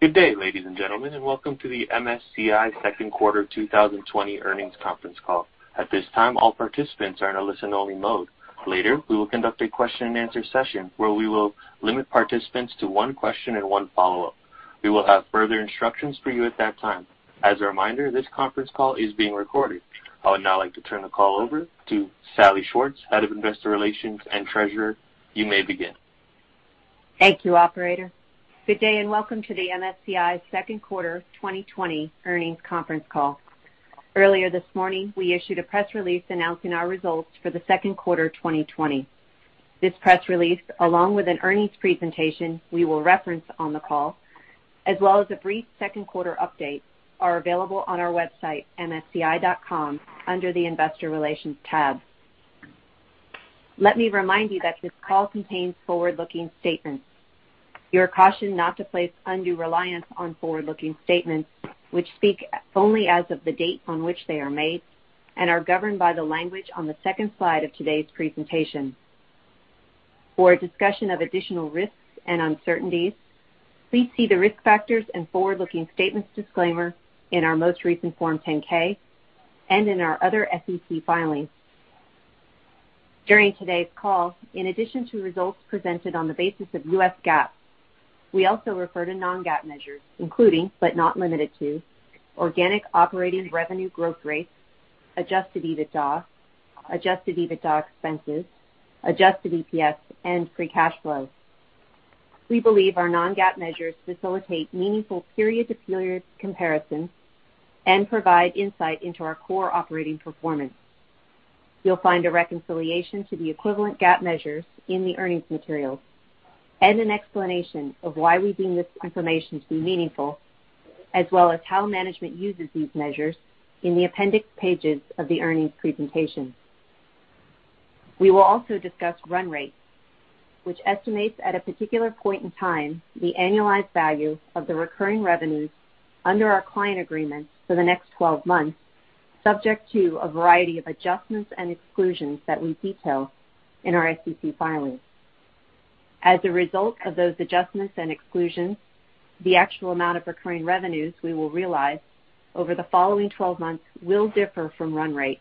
Good day, ladies and gentlemen, and welcome to the MSCI second quarter 2020 earnings conference call. At this time, all participants are in a listen-only mode. Later, we will conduct a question and answer session where we will limit participants to one question and one follow-up. We will have further instructions for you at that time. As a reminder, this conference call is being recorded. I would now like to turn the call over to Salli Schwartz, Head of Investor Relations and Treasurer. You may begin. Thank you, operator. Good day, welcome to the MSCI second quarter 2020 earnings conference call. Earlier this morning, we issued a press release announcing our results for the second quarter 2020. This press release, along with an earnings presentation we will reference on the call, as well as a brief second quarter update, are available on our website, msci.com, under the investor relations tab. Let me remind you that this call contains forward-looking statements. You are cautioned not to place undue reliance on forward-looking statements which speak only as of the date on which they are made and are governed by the language on the second slide of today's presentation. For a discussion of additional risks and uncertainties, please see the risk factors and forward-looking statements disclaimer in our most recent Form 10-K and in our other SEC filings. During today's call, in addition to results presented on the basis of U.S. GAAP, we also refer to non-GAAP measures, including, but not limited to, organic operating revenue growth rates, adjusted EBITDA, adjusted EBITDA expenses, adjusted EPS, and free cash flow. We believe our non-GAAP measures facilitate meaningful period-to-period comparisons and provide insight into our core operating performance. You'll find a reconciliation to the equivalent GAAP measures in the earnings materials and an explanation of why we deem this information to be meaningful, as well as how management uses these measures in the appendix pages of the earnings presentation. We will also discuss run rate, which estimates at a particular point in time the annualized value of the recurring revenues under our client agreements for the next 12 months, subject to a variety of adjustments and exclusions that we detail in our SEC filings. As a result of those adjustments and exclusions, the actual amount of recurring revenues we will realize over the following 12 months will differ from run rate.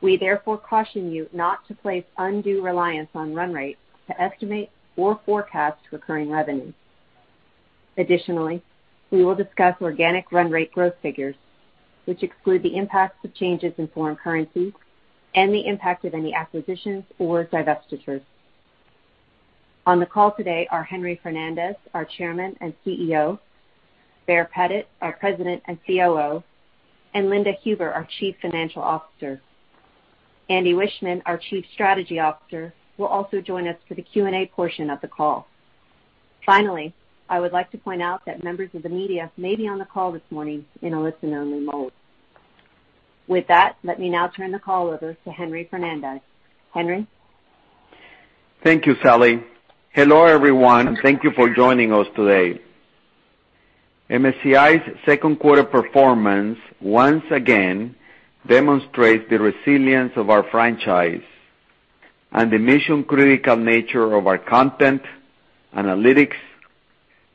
We therefore caution you not to place undue reliance on run rate to estimate or forecast recurring revenues. Additionally, we will discuss organic run rate growth figures, which exclude the impacts of changes in foreign currencies and the impact of any acquisitions or divestitures. On the call today are Henry Fernandez, our Chairman and CEO, Baer Pettit, our President and COO, and Linda Huber, our Chief Financial Officer. Andy Wiechmann, our Chief Strategy Officer, will also join us for the Q&A portion of the call. Finally, I would like to point out that members of the media may be on the call this morning in a listen-only mode. With that, let me now turn the call over to Henry Fernandez. Henry? Thank you, Salli. Hello, everyone. Thank you for joining us today. MSCI's second quarter performance once again demonstrates the resilience of our franchise and the mission-critical nature of our content, analytics,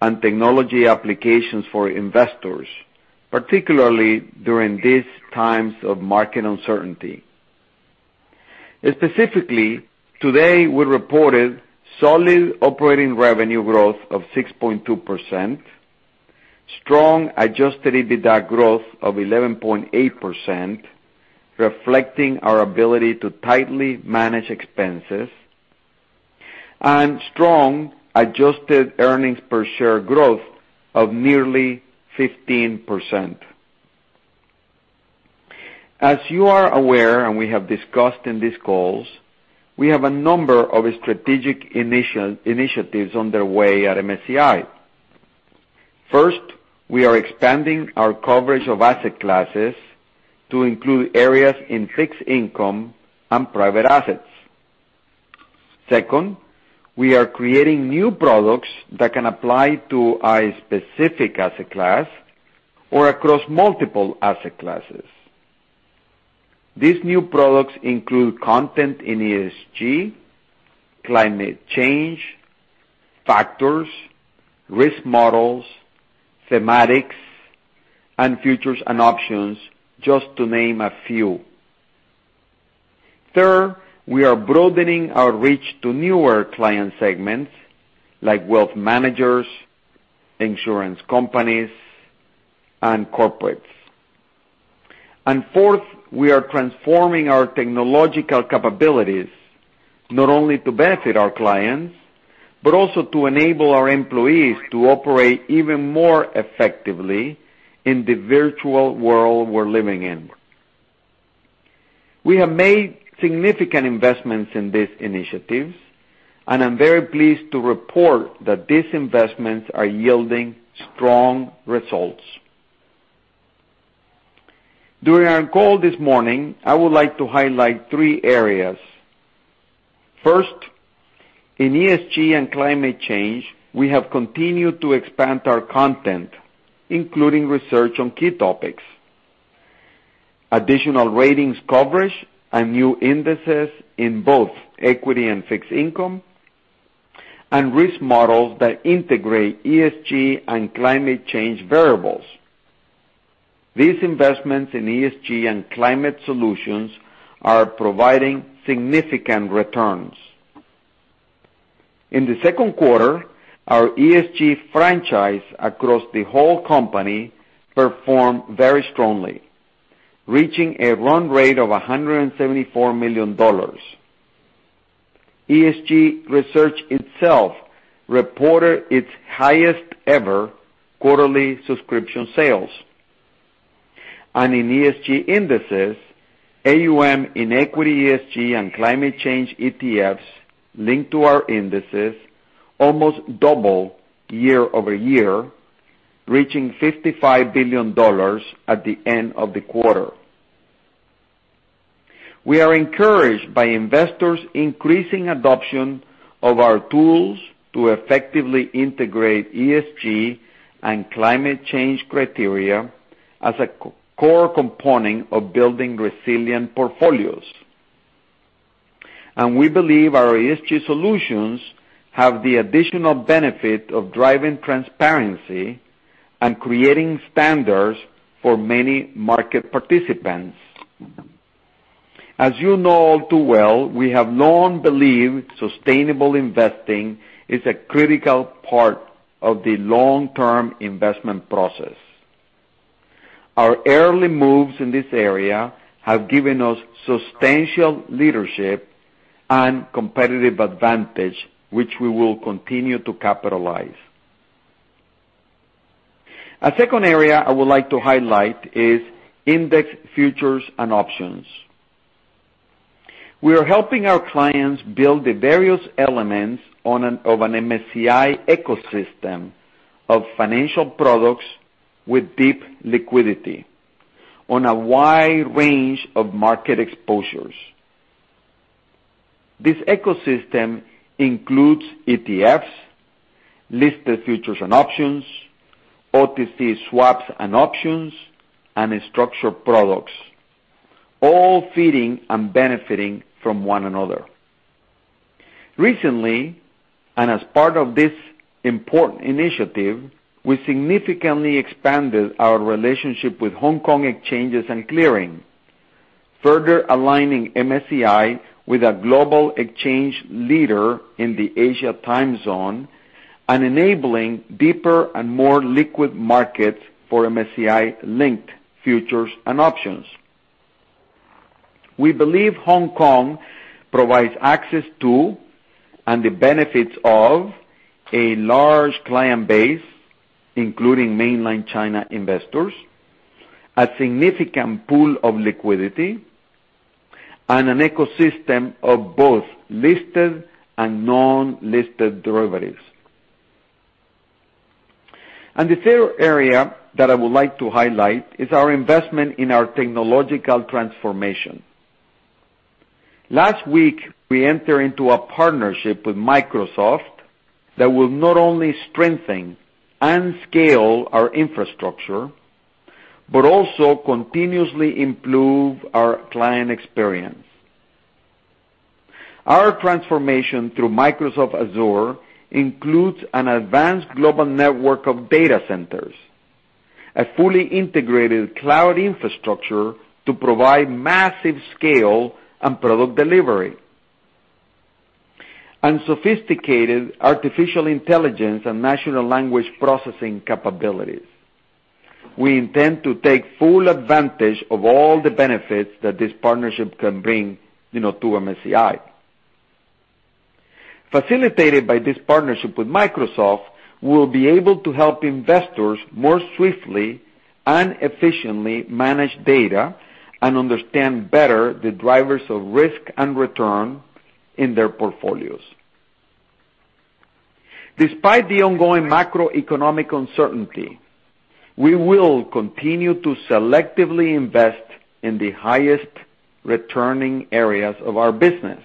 and technology applications for investors, particularly during these times of market uncertainty. Specifically, today, we reported solid operating revenue growth of 6.2%, strong adjusted EBITDA growth of 11.8%, reflecting our ability to tightly manage expenses, and strong adjusted earnings per share growth of nearly 15%. As you are aware, and we have discussed in these calls, we have a number of strategic initiatives underway at MSCI. First, we are expanding our coverage of asset classes to include areas in fixed income and private assets. Second, we are creating new products that can apply to a specific asset class or across multiple asset classes. These new products include content in ESG, climate change, factors, risk models, thematics, and futures and options, just to name a few. We are broadening our reach to newer client segments like Wealth Managers, Insurance Companies, and Corporates. Fourth, we are transforming our technological capabilities not only to benefit our clients, but also to enable our employees to operate even more effectively in the virtual world we're living in. We have made significant investments in these initiatives, and I'm very pleased to report that these investments are yielding strong results. During our call this morning, I would like to highlight three areas. First, in ESG and climate change, we have continued to expand our content, including research on key topics, additional ratings coverage and new indices in both equity and fixed income, and risk models that integrate ESG and climate change variables. These investments in ESG and climate solutions are providing significant returns. In the second quarter, our ESG franchise across the whole company performed very strongly, reaching a run rate of $174 million. ESG research itself reported its highest ever quarterly subscription sales. In ESG indices, AUM in equity ESG and climate change ETFs linked to our indices almost doubled year-over-year, reaching $55 billion at the end of the quarter. We are encouraged by investors increasing adoption of our tools to effectively integrate ESG and climate change criteria as a core component of building resilient portfolios. We believe our ESG solutions have the additional benefit of driving transparency and creating standards for many market participants. As you know all too well, we have long believed sustainable investing is a critical part of the long-term investment process. Our early moves in this area have given us substantial leadership and competitive advantage, which we will continue to capitalize. A second area I would like to highlight is index futures and options. We are helping our clients build the various elements of an MSCI ecosystem of financial products with deep liquidity on a wide range of market exposures. This ecosystem includes ETFs, listed futures and options, OTC swaps and options, and structured products, all feeding and benefiting from one another. Recently, and as part of this important initiative, we significantly expanded our relationship with Hong Kong Exchanges and Clearing, further aligning MSCI with a global exchange leader in the Asia time zone and enabling deeper and more liquid markets for MSCI linked futures and options. We believe Hong Kong provides access to and the benefits of a large client base, including mainland China investors, a significant pool of liquidity, and an ecosystem of both listed and non-listed derivatives. The third area that I would like to highlight is our investment in our technological transformation. Last week, we entered into a partnership with Microsoft that will not only strengthen and scale our infrastructure, but also continuously improve our client experience. Our transformation through Microsoft Azure includes an advanced global network of data centers, a fully integrated cloud infrastructure to provide massive scale and product delivery, and sophisticated artificial intelligence and natural language processing capabilities. We intend to take full advantage of all the benefits that this partnership can bring to MSCI. Facilitated by this partnership with Microsoft, we'll be able to help investors more swiftly and efficiently manage data and understand better the drivers of risk and return in their portfolios. Despite the ongoing macroeconomic uncertainty, we will continue to selectively invest in the highest returning areas of our business,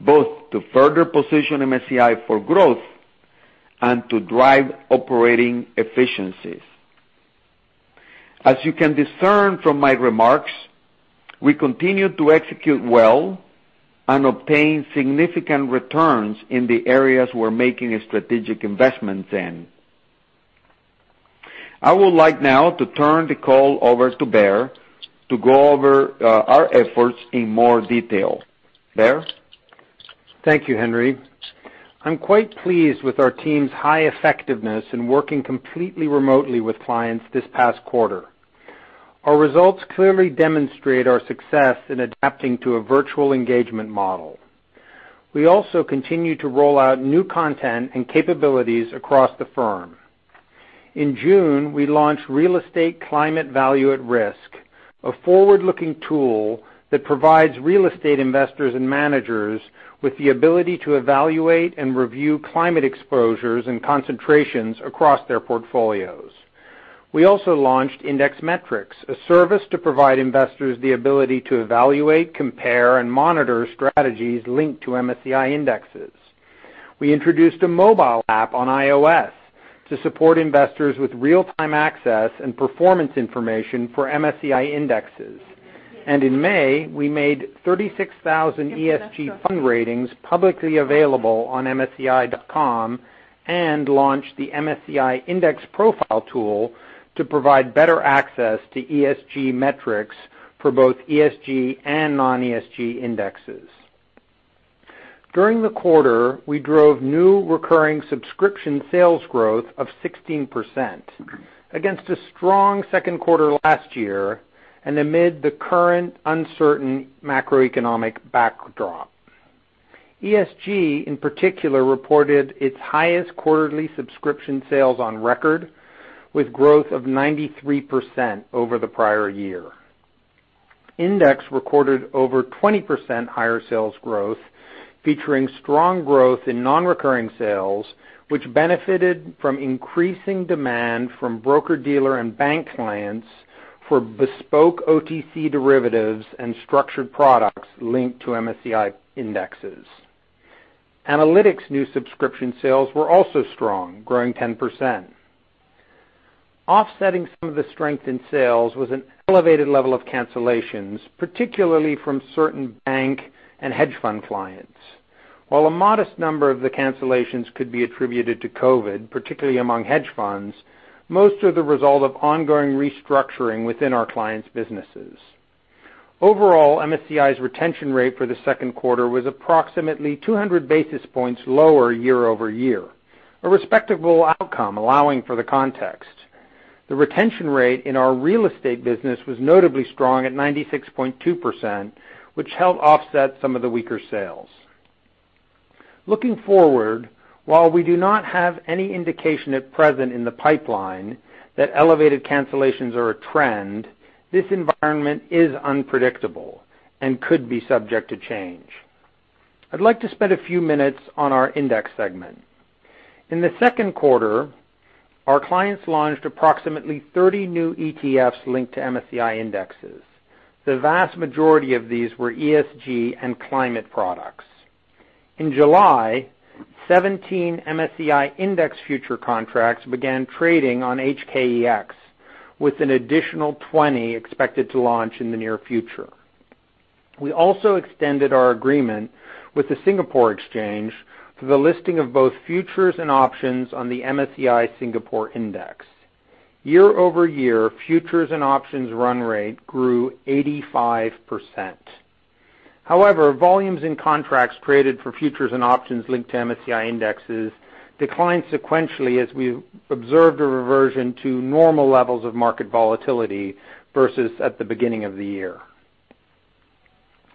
both to further position MSCI for growth and to drive operating efficiencies. As you can discern from my remarks, we continue to execute well and obtain significant returns in the areas we're making a strategic investment in. I would like now to turn the call over to Baer to go over our efforts in more detail. Baer? Thank you, Henry. I'm quite pleased with our team's high effectiveness in working completely remotely with clients this past quarter. Our results clearly demonstrate our success in adapting to a virtual engagement model. We also continue to roll out new content and capabilities across the firm. In June, we launched Real Estate Climate Value-at-Risk, a forward-looking tool that provides Real Estate investors and managers with the ability to evaluate and review climate exposures and concentrations across their portfolios. We also launched IndexMetrics, a service to provide investors the ability to evaluate, compare, and monitor strategies linked to MSCI indexes. We introduced a mobile app on iOS to support investors with real-time access and performance information for MSCI indexes. In May, we made 36,000 ESG fund ratings publicly available on msci.com and launched the MSCI Index Profile tool to provide better access to ESG metrics for both ESG and non-ESG indexes. During the quarter, we drove new recurring subscription sales growth of 16%, against a strong second quarter last year and amid the current uncertain macroeconomic backdrop. ESG, in particular, reported its highest quarterly subscription sales on record, with growth of 93% over the prior year. Index recorded over 20% higher sales growth, featuring strong growth in non-recurring sales, which benefited from increasing demand from broker-dealer and bank clients for bespoke OTC derivatives and structured products linked to MSCI indexes. Analytics new subscription sales were also strong, growing 10%. Offsetting some of the strength in sales was an elevated level of cancellations, particularly from certain bank and hedge fund clients. While a modest number of the cancellations could be attributed to COVID, particularly among hedge funds, most are the result of ongoing restructuring within our clients' businesses. Overall, MSCI's retention rate for the second quarter was approximately 200 basis points lower year-over-year, a respectable outcome, allowing for the context. The retention rate in our Real Estate business was notably strong at 96.2%, which helped offset some of the weaker sales. Looking forward, while we do not have any indication at present in the pipeline that elevated cancellations are a trend, this environment is unpredictable and could be subject to change. I'd like to spend a few minutes on our index segment. In the second quarter, our clients launched approximately 30 new ETFs linked to MSCI indexes. The vast majority of these were ESG and climate products. In July, 17 MSCI index future contracts began trading on HKEX, with an additional 20 expected to launch in the near future. We also extended our agreement with the Singapore Exchange for the listing of both futures and options on the MSCI Singapore Index. Year-over-year, futures and options run rate grew 85%. Volumes in contracts traded for futures and options linked to MSCI indexes declined sequentially as we observed a reversion to normal levels of market volatility, versus at the beginning of the year.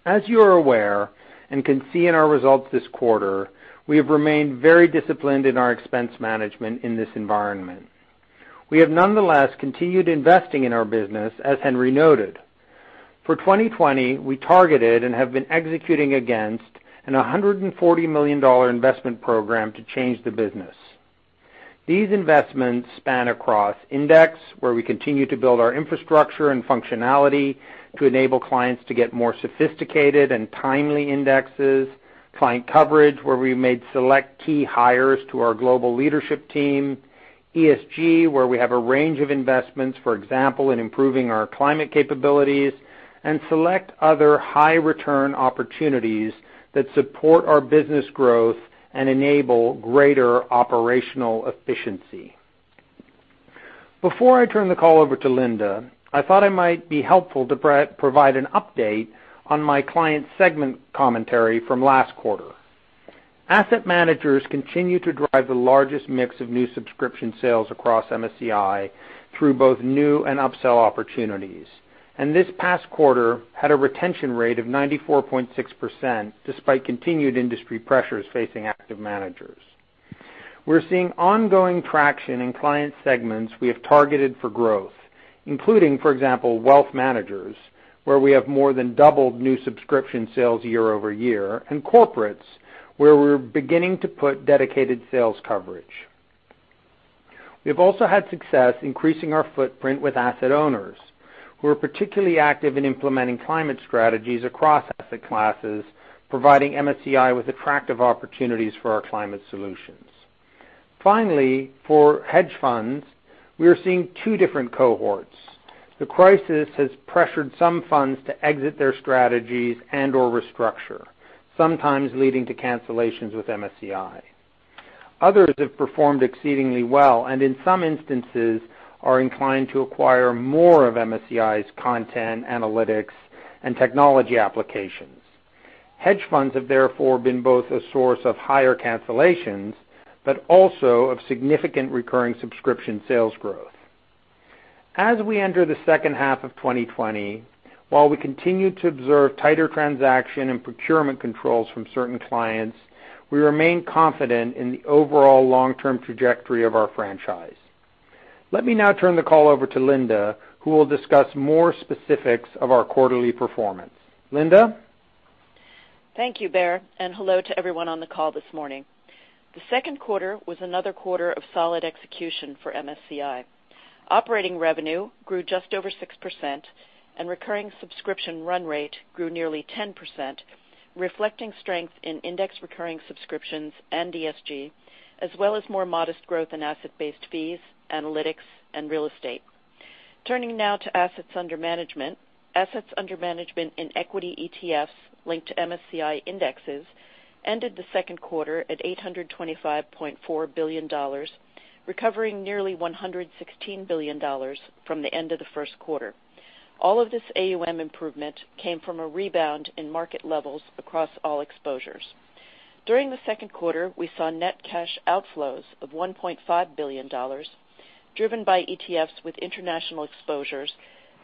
As you are aware and can see in our results this quarter, we have remained very disciplined in our expense management in this environment. We have nonetheless continued investing in our business, as Henry noted. For 2020, we targeted and have been executing against a $140 million investment program to change the business. These investments span across index, where we continue to build our infrastructure and functionality to enable clients to get more sophisticated and timely indexes, client coverage, where we made select key hires to our global leadership team, ESG, where we have a range of investments, for example, in improving our climate capabilities, and select other high-return opportunities that support our business growth and enable greater operational efficiency. Before I turn the call over to Linda, I thought it might be helpful to provide an update on my client segment commentary from last quarter. Asset managers continue to drive the largest mix of new subscription sales across MSCI through both new and upsell opportunities, and this past quarter had a retention rate of 94.6%, despite continued industry pressures facing active managers. We're seeing ongoing traction in client segments we have targeted for growth, including, for example, Wealth Managers, where we have more than doubled new subscription sales year-over-year, and Corporates, where we're beginning to put dedicated sales coverage. We've also had success increasing our footprint with asset owners who are particularly active in implementing climate strategies across asset classes, providing MSCI with attractive opportunities for our climate solutions. Finally, for hedge funds, we are seeing two different cohorts. The crisis has pressured some funds to exit their strategies and/or restructure, sometimes leading to cancellations with MSCI. Others have performed exceedingly well and, in some instances, are inclined to acquire more of MSCI's content, analytics, and technology applications. Hedge funds have therefore been both a source of higher cancellations, but also of significant recurring subscription sales growth. As we enter the second half of 2020, while we continue to observe tighter transaction and procurement controls from certain clients, we remain confident in the overall long-term trajectory of our franchise. Let me now turn the call over to Linda, who will discuss more specifics of our quarterly performance. Linda? Thank you, Baer, and hello to everyone on the call this morning. The second quarter was another quarter of solid execution for MSCI. Operating revenue grew just over 6%, and recurring subscription run rate grew nearly 10%, reflecting strength in index recurring subscriptions and ESG, as well as more modest growth in asset-based fees, analytics, and Real Estate. Turning now to assets under management. Assets under management in equity ETFs linked to MSCI indexes ended the second quarter at $825.4 billion, recovering nearly $116 billion from the end of the first quarter. All of this AUM improvement came from a rebound in market levels across all exposures. During the second quarter, we saw net cash outflows of $1.5 billion, driven by ETFs with international exposures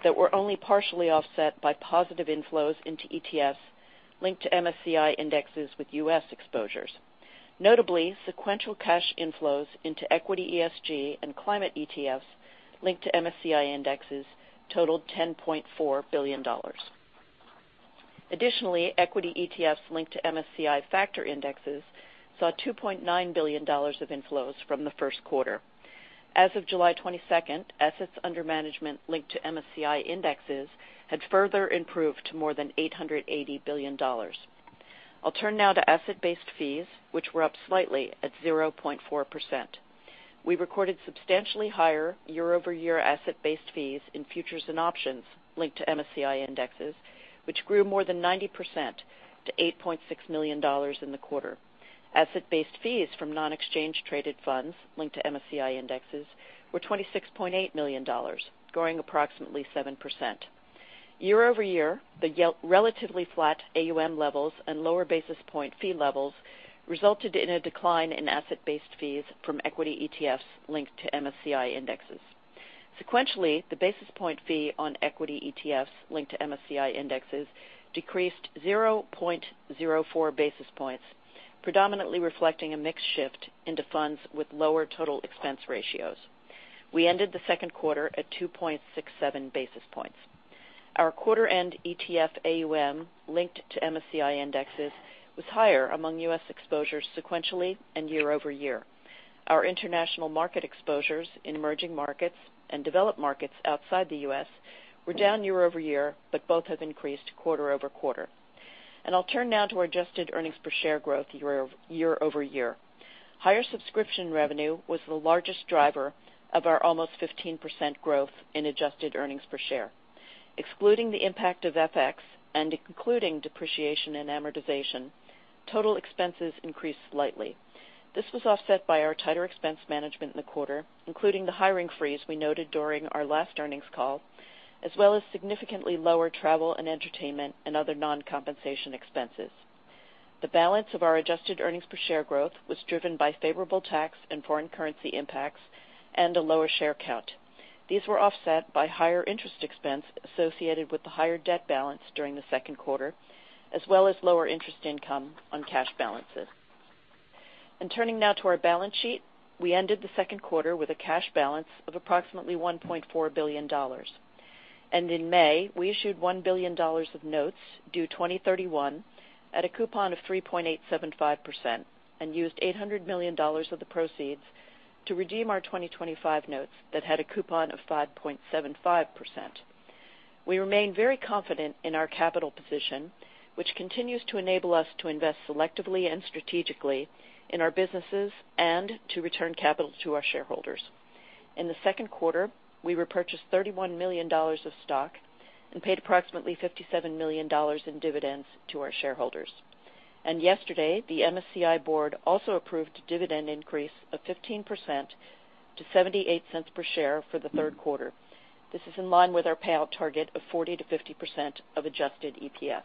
that were only partially offset by positive inflows into ETFs linked to MSCI indexes with U.S. exposures. Notably, sequential cash inflows into equity ESG and climate ETFs linked to MSCI indexes totaled $10.4 billion. Additionally, equity ETFs linked to MSCI factor indexes saw $2.9 billion of inflows from the first quarter. As of July 22nd, assets under management linked to MSCI indexes had further improved to more than $880 billion. I'll turn now to asset-based fees, which were up slightly at 0.4%. We recorded substantially higher year-over-year asset-based fees in futures and options linked to MSCI indexes, which grew more than 90% to $8.6 million in the quarter. Asset-based fees from non-exchange traded funds linked to MSCI indexes were $26.8 million, growing approximately 7%. Year-over-year, the relatively flat AUM levels and lower basis point fee levels resulted in a decline in asset-based fees from equity ETFs linked to MSCI indexes. Sequentially, the basis point fee on equity ETFs linked to MSCI indexes decreased 0.04 basis points, predominantly reflecting a mix shift into funds with lower total expense ratios. We ended the second quarter at 2.67 basis points. Our quarter-end ETF AUM linked to MSCI indexes was higher among U.S. exposures sequentially and year-over-year. Our international market exposures in emerging markets and developed markets outside the U.S. were down year-over-year, both have increased quarter-over-quarter. I'll turn now to our adjusted earnings per share growth year-over-year. Higher subscription revenue was the largest driver of our almost 15% growth in adjusted earnings per share. Excluding the impact of FX and including depreciation and amortization, total expenses increased slightly. This was offset by our tighter expense management in the quarter, including the hiring freeze we noted during our last earnings call, as well as significantly lower travel and entertainment and other non-compensation expenses. The balance of our adjusted earnings per share growth was driven by favorable tax and foreign currency impacts and a lower share count. These were offset by higher interest expense associated with the higher debt balance during the second quarter, as well as lower interest income on cash balances. Turning now to our balance sheet, we ended the second quarter with a cash balance of approximately $1.4 billion. In May, we issued $1 billion of notes due 2031 at a coupon of 3.875% and used $800 million of the proceeds to redeem our 2025 notes that had a coupon of 5.75%. We remain very confident in our capital position, which continues to enable us to invest selectively and strategically in our businesses and to return capital to our shareholders. In the second quarter, we repurchased $31 million of stock and paid approximately $57 million in dividends to our shareholders. Yesterday, the MSCI board also approved a dividend increase of 15% to $0.78 per share for the third quarter. This is in line with our payout target of 40%-50% of adjusted EPS.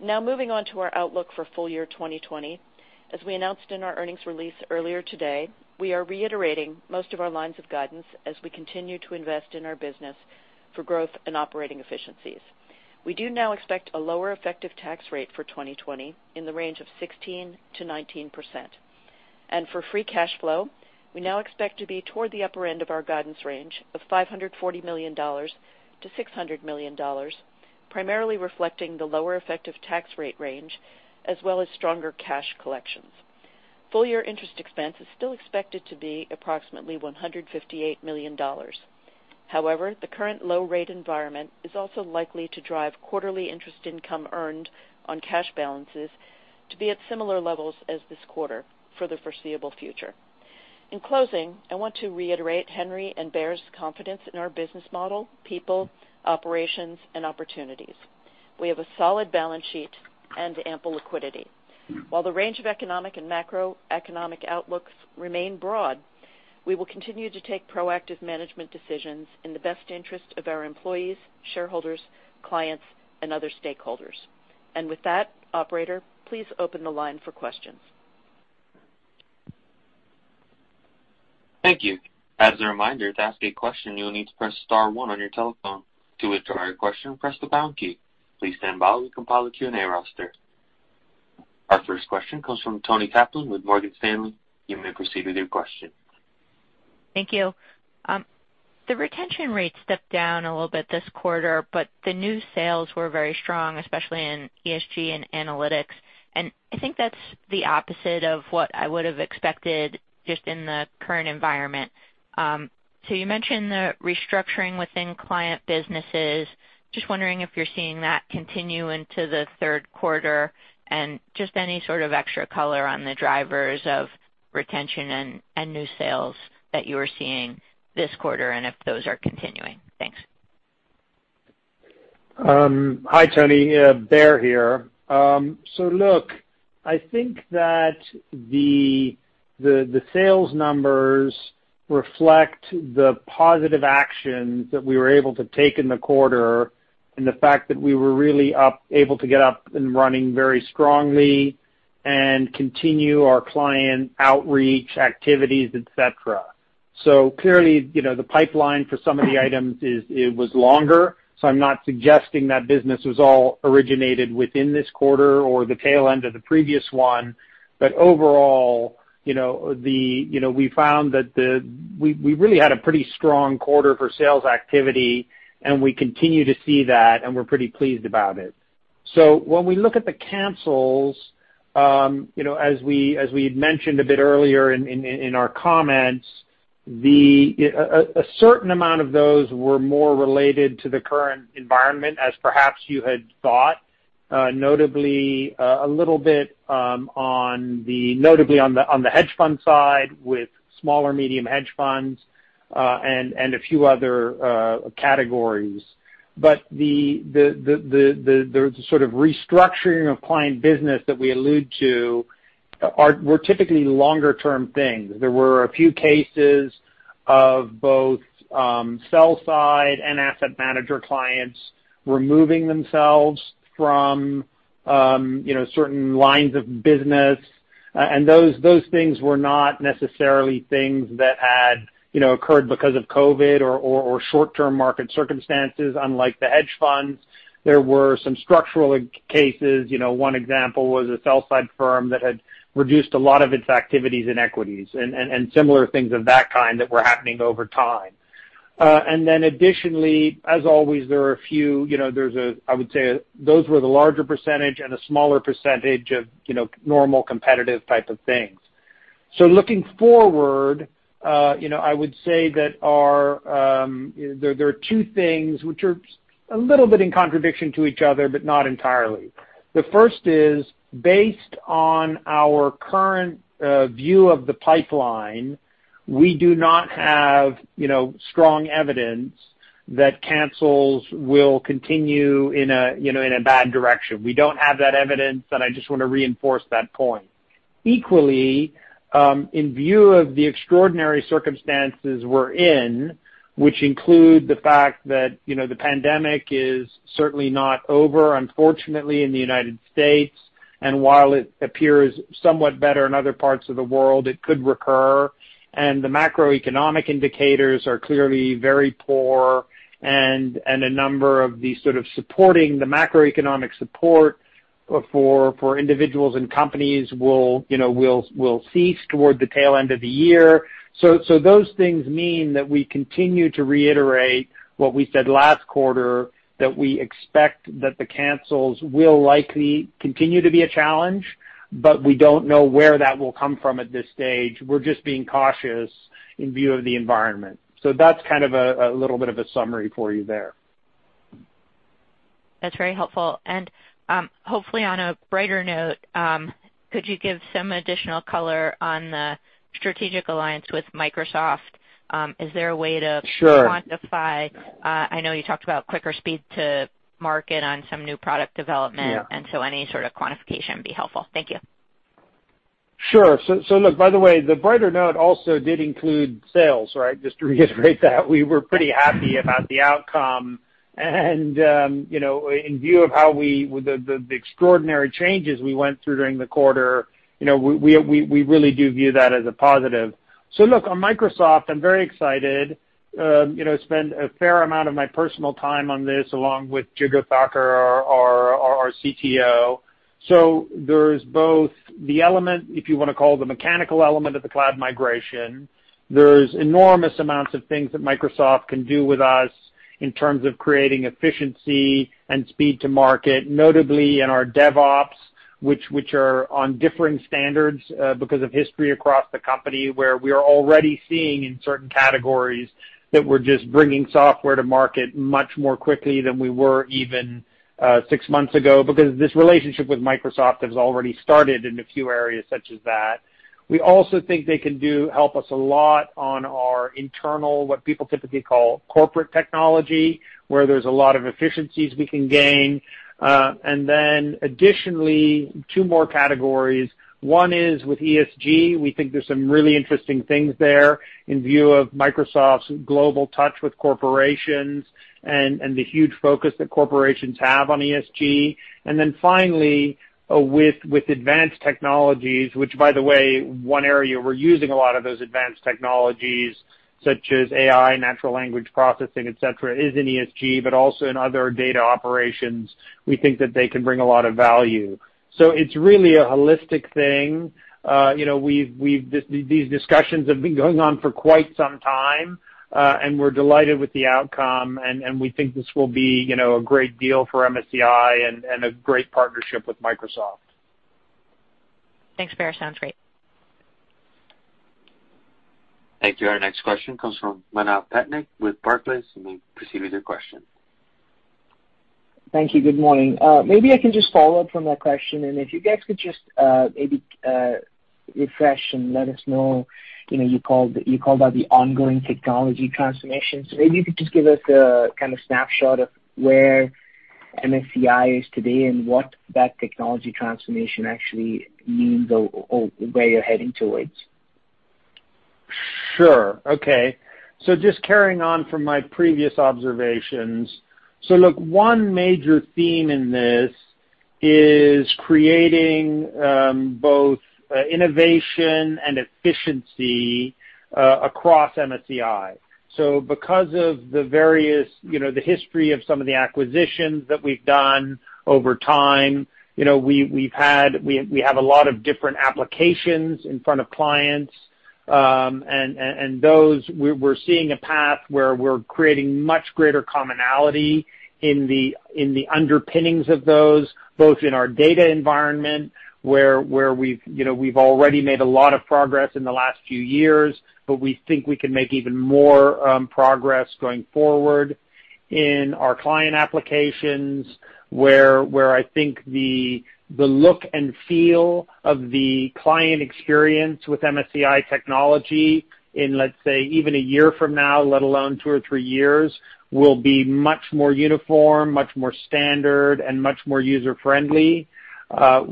Moving on to our outlook for full year 2020. As we announced in our earnings release earlier today, we are reiterating most of our lines of guidance as we continue to invest in our business for growth and operating efficiencies. We do now expect a lower effective tax rate for 2020 in the range of 16%-19%. For free cash flow, we now expect to be toward the upper end of our guidance range of $540 million-$600 million, primarily reflecting the lower effective tax rate range, as well as stronger cash collections. Full year interest expense is still expected to be approximately $158 million. However, the current low rate environment is also likely to drive quarterly interest income earned on cash balances to be at similar levels as this quarter for the foreseeable future. In closing, I want to reiterate Henry and Baer's confidence in our business model, people, operations, and opportunities. We have a solid balance sheet and ample liquidity. While the range of economic and macroeconomic outlooks remain broad, we will continue to take proactive management decisions in the best interest of our employees, shareholders, clients, and other stakeholders. With that, operator, please open the line for questions. Thank you. As a reminder, to ask a question, you will need to press star one on your telephone. To withdraw your question, press the pound key. Please stand by while we compile a Q&A roster. Our first question comes from Toni Kaplan with Morgan Stanley. You may proceed with your question. Thank you. The retention rate stepped down a little bit this quarter, but the new sales were very strong, especially in ESG and analytics. I think that's the opposite of what I would have expected just in the current environment. You mentioned the restructuring within client businesses. I'm just wondering if you're seeing that continue into the third quarter and just any sort of extra color on the drivers of retention and new sales that you are seeing this quarter, and if those are continuing. Thanks. Hi, Toni. Baer here. Look, I think that the sales numbers reflect the positive actions that we were able to take in the quarter and the fact that we were really able to get up and running very strongly and continue our client outreach activities, et cetera. Clearly, the pipeline for some of the items was longer. I'm not suggesting that business was all originated within this quarter or the tail end of the previous one. Overall, we found that we really had a pretty strong quarter for sales activity, and we continue to see that, and we're pretty pleased about it. When we look at the cancels, as we had mentioned a bit earlier in our comments, a certain amount of those were more related to the current environment as perhaps you had thought. Notably on the hedge fund side with small or medium hedge funds, and a few other categories. The sort of restructuring of client business that we allude to were typically longer-term things. There were a few cases of both sell side and asset manager clients removing themselves from certain lines of business. Those things were not necessarily things that had occurred because of COVID or short-term market circumstances, unlike the hedge funds. There were some structural cases. One example was a sell-side firm that had reduced a lot of its activities in equities and similar things of that kind that were happening over time. Additionally, as always, I would say those were the larger percentage and a smaller percentage of normal competitive type of things. Looking forward, I would say that there are two things which are a little bit in contradiction to each other, but not entirely. The first is, based on our current view of the pipeline, we do not have strong evidence that cancels will continue in a bad direction. We don't have that evidence, and I just want to reinforce that point. Equally, in view of the extraordinary circumstances we're in, which include the fact that the pandemic is certainly not over, unfortunately, in the U.S., and while it appears somewhat better in other parts of the world, it could recur. The macroeconomic indicators are clearly very poor, and a number of the sort of supporting the macroeconomic support for individuals and companies will cease toward the tail end of the year. Those things mean that we continue to reiterate what we said last quarter, that we expect that the cancels will likely continue to be a challenge, but we don't know where that will come from at this stage. We're just being cautious in view of the environment. That's kind of a little bit of a summary for you there. That's very helpful. Hopefully on a brighter note, could you give some additional color on the strategic alliance with Microsoft? Is there a way to- Sure ...quantify? I know you talked about quicker speed to market on some new product development. Yeah. Any sort of quantification would be helpful. Thank you. Sure. Look, by the way, the brighter note also did include sales, right? Just to reiterate that. We were pretty happy about the outcome. In view of the extraordinary changes we went through during the quarter, we really do view that as a positive. Look, on Microsoft, I'm very excited. Spend a fair amount of my personal time on this, along with Jigar Thakkar, our CTO. There's both the element, if you want to call the mechanical element of the cloud migration. There's enormous amounts of things that Microsoft can do with us in terms of creating efficiency and speed to market, notably in our DevOps, which are on differing standards because of history across the company, where we are already seeing in certain categories that we're just bringing software to market much more quickly than we were even six months ago because this relationship with Microsoft has already started in a few areas such as that. We also think they can help us a lot on our internal, what people typically call corporate technology, where there's a lot of efficiencies we can gain. Additionally, two more categories. One is with ESG. We think there's some really interesting things there in view of Microsoft's global touch with corporations and the huge focus that corporations have on ESG. Then finally, with advanced technologies, which, by the way, one area we're using a lot of those advanced technologies, such as AI, natural language processing, et cetera, is in ESG, but also in other data operations. We think that they can bring a lot of value. It's really a holistic thing. These discussions have been going on for quite some time, and we're delighted with the outcome, and we think this will be a great deal for MSCI and a great partnership with Microsoft. Thanks, Baer. Sounds great. Thank you. Our next question comes from Manav Patnaik with Barclays. You may proceed with your question. Thank you. Good morning. Maybe I can just follow up from that question. If you guys could just maybe refresh and let us know. You called out the ongoing technology transformation. Maybe you could just give us a kind of snapshot of where MSCI is today and what that technology transformation actually means or where you're heading towards. Sure. Okay. Just carrying on from my previous observations. Look, one major theme in this is creating both innovation and efficiency across MSCI. Because of the history of some of the acquisitions that we've done over time, we have a lot of different applications in front of clients. Those, we're seeing a path where we're creating much greater commonality in the underpinnings of those, both in our data environment, where we've already made a lot of progress in the last few years, but we think we can make even more progress going forward in our client applications, where I think the look and feel of the client experience with MSCI technology in, let's say, even a year from now, let alone two or three years, will be much more uniform, much more standard, and much more user-friendly. Data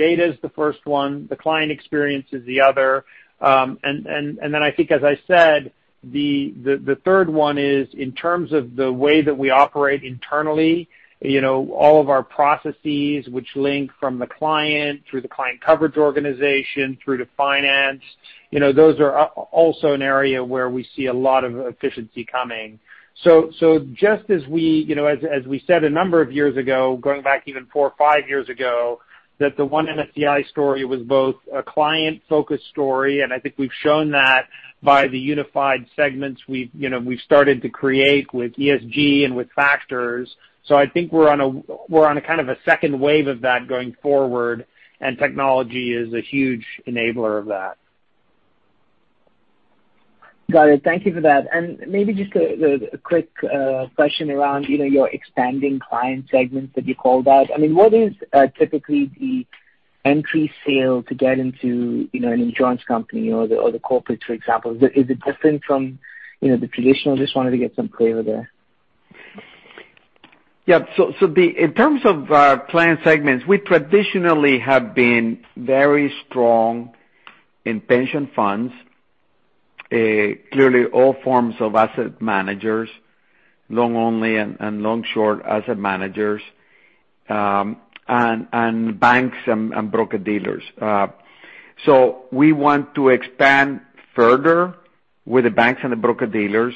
is the first one, the client experience is the other. I think as I said, the third one is in terms of the way that we operate internally, all of our processes which link from the client through the client coverage organization through to finance, those are also an area where we see a lot of efficiency coming. Just as we said a number of years ago, going back even four or five years ago, that the one MSCI story was both a client-focused story, and I think we've shown that by the unified segments we've started to create with ESG and with factors. I think we're on a kind of a second wave of that going forward, and technology is a huge enabler of that. Got it. Thank you for that. Maybe just a quick question around your expanding client segments that you called out. I mean, what is typically the entry sale to get into an Insurance Companies or the Corporates, for example? Is it different from the traditional? I just wanted to get some clarity there. Yeah. In terms of our client segments, we traditionally have been very strong in pension funds. Clearly all forms of asset managers, long only and long short asset managers, and banks and broker-dealers. We want to expand further with the banks and the broker-dealers,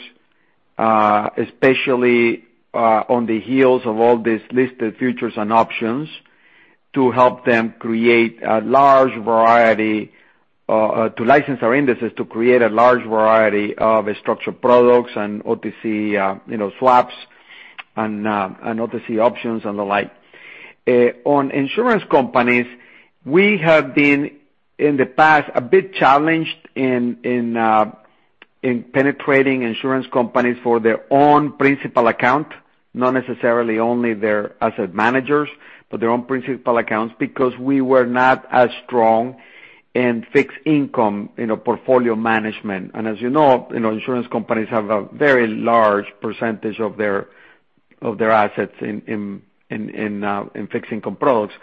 especially on the heels of all these listed futures and options to license our indices, to create a large variety of structured products and OTC swaps and OTC options and the like. On Insurance Companies, we have been, in the past, a bit challenged in penetrating Insurance Companies for their own principal account. Not necessarily only their asset managers, but their own principal accounts, because we were not as strong in fixed income portfolio management. As you know, Insurance Companies have a very large percentage of their assets in fixed income products.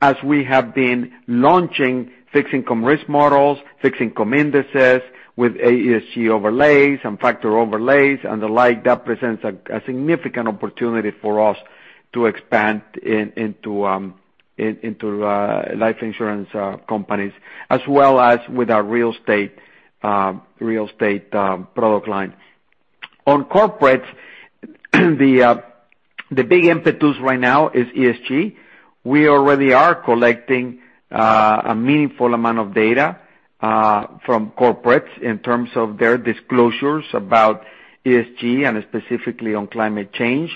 As we have been launching fixed income risk models, fixed income indices with ESG overlays and factor overlays and the like, that presents a significant opportunity for us to expand into life Insurance Companies as well as with our Real Estate product line. On Corporates, the big impetus right now is ESG. We already are collecting a meaningful amount of data from Corporates in terms of their disclosures about ESG and specifically on climate change,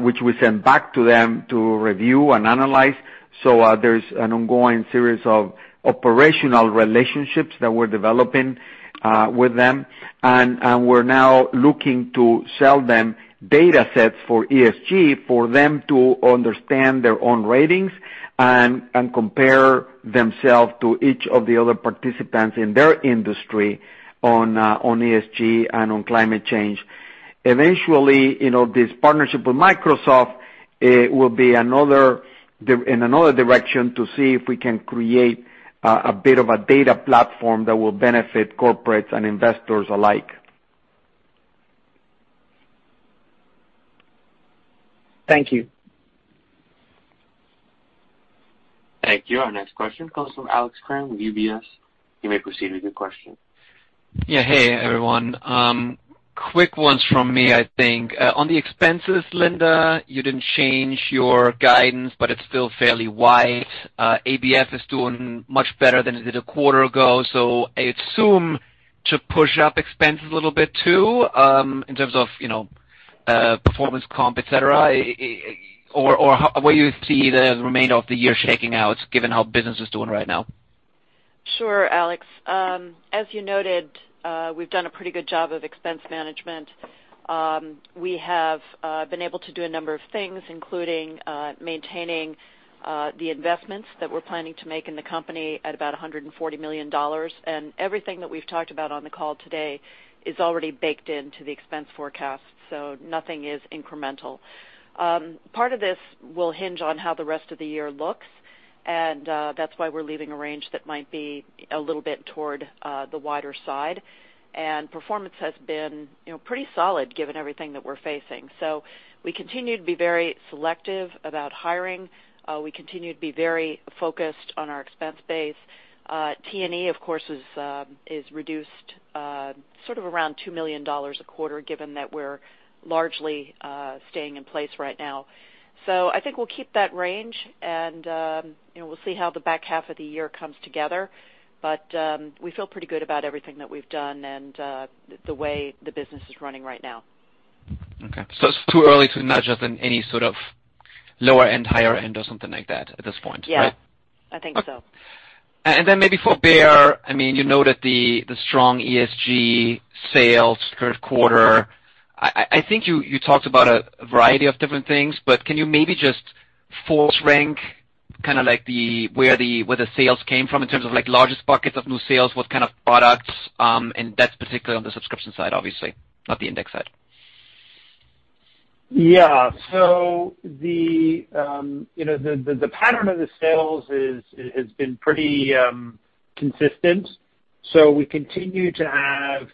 which we send back to them to review and analyze. There's an ongoing series of operational relationships that we're developing with them. We're now looking to sell them data sets for ESG for them to understand their own ratings and compare themselves to each of the other participants in their industry on ESG and on climate change. Eventually, this partnership with Microsoft will be in another direction to see if we can create a bit of a data platform that will benefit Corporates and investors alike. Thank you. Thank you. Our next question comes from Alex Kramm with UBS. You may proceed with your question. Yeah. Hey, everyone. Quick ones from me, I think. On the expenses, Linda, you didn't change your guidance, it's still fairly wide. ABF is doing much better than it did a quarter ago, I assume to push up expenses a little bit too, in terms of performance comp, et cetera, or where you see the remainder of the year shaking out, given how business is doing right now. Sure, Alex. As you noted, we've done a pretty good job of expense management. We have been able to do a number of things, including maintaining the investments that we're planning to make in the company at about $140 million. Everything that we've talked about on the call today is already baked into the expense forecast, so nothing is incremental. Part of this will hinge on how the rest of the year looks, and that's why we're leaving a range that might be a little bit toward the wider side. Performance has been pretty solid given everything that we're facing. We continue to be very selective about hiring. We continue to be very focused on our expense base. T&E, of course, is reduced sort of around $2 million a quarter, given that we're largely staying in place right now. I think we'll keep that range, and we'll see how the back half of the year comes together. We feel pretty good about everything that we've done and the way the business is running right now. It's too early to nudge us in any sort of lower end, higher end or something like that at this point, right? Yeah. I think so. Then maybe for Baer, you noted the strong ESG sales third quarter. I think you talked about a variety of different things, but can you maybe just force rank kind of where the sales came from in terms of largest buckets of new sales, what kind of products, and that's particularly on the subscription side, obviously, not the index side. Yeah. The pattern of the sales has been pretty consistent. We continue to have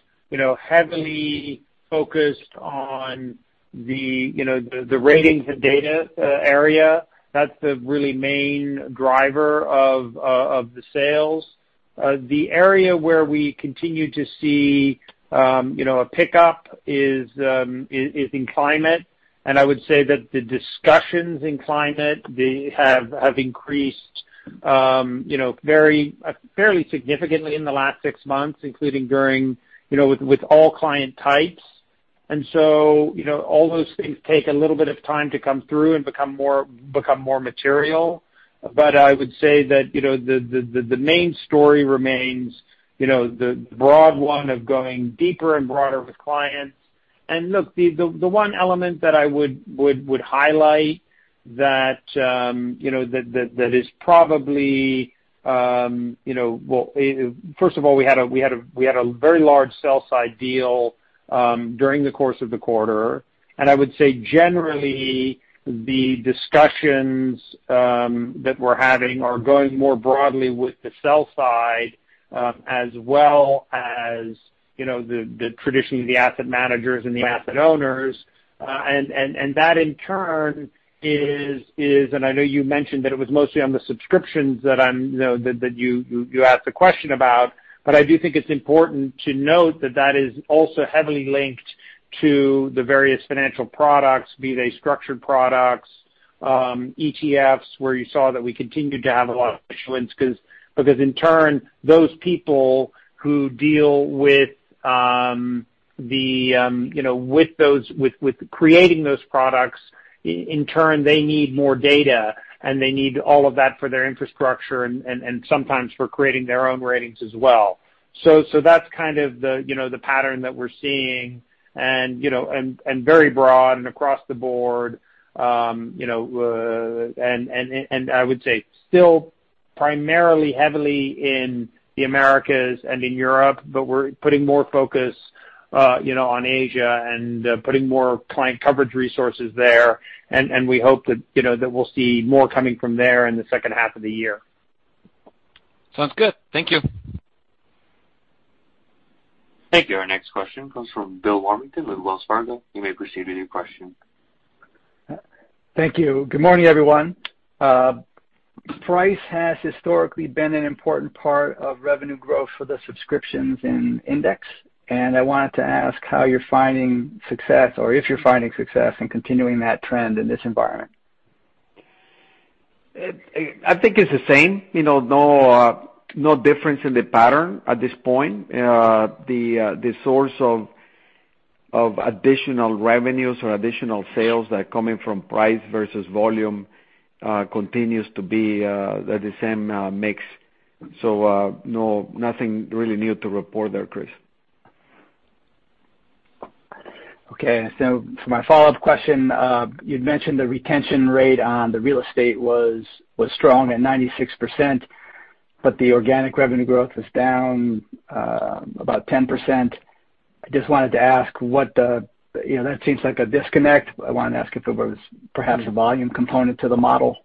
heavily focused on the ratings and data area. That's the really main driver of the sales. The area where we continue to see a pickup is in climate, and I would say that the discussions in climate have increased fairly significantly in the last six months, including with all client types. All those things take a little bit of time to come through and become more material. I would say that the main story remains the broad one of going deeper and broader with clients. Look, the one element that I would highlight that is well, first of all, we had a very large sell-side deal during the course of the quarter. I would say, generally, the discussions that we're having are going more broadly with the sell side, as well as traditionally the asset managers and the asset owners. That in turn is, and I know you mentioned that it was mostly on the subscriptions that you asked the question about, but I do think it's important to note that that is also heavily linked to the various financial products, be they structured products, ETFs, where you saw that we continued to have a lot of issuance. Because in turn, those people who deal with creating those products, in turn, they need more data and they need all of that for their infrastructure and sometimes for creating their own ratings as well. That's kind of the pattern that we're seeing and very broad and across the board. I would say still primarily, heavily in the Americas and in Europe, but we're putting more focus on Asia and putting more client coverage resources there. We hope that we'll see more coming from there in the second half of the year. Sounds good. Thank you. Thank you. Our next question comes from Bill Warmington with Wells Fargo. You may proceed with your question. Thank you. Good morning, everyone. Price has historically been an important part of revenue growth for the subscriptions in index, I wanted to ask how you're finding success or if you're finding success in continuing that trend in this environment. I think it's the same. No difference in the pattern at this point. The source of additional revenues or additional sales that are coming from price versus volume continues to be the same mix. Nothing really new to report there, Bill. For my follow-up question, you'd mentioned the retention rate on the Real Estate was strong at 96%, but the organic revenue growth was down about 10%. I just wanted to ask, that seems like a disconnect. I wanted to ask if there was perhaps a volume component to the model.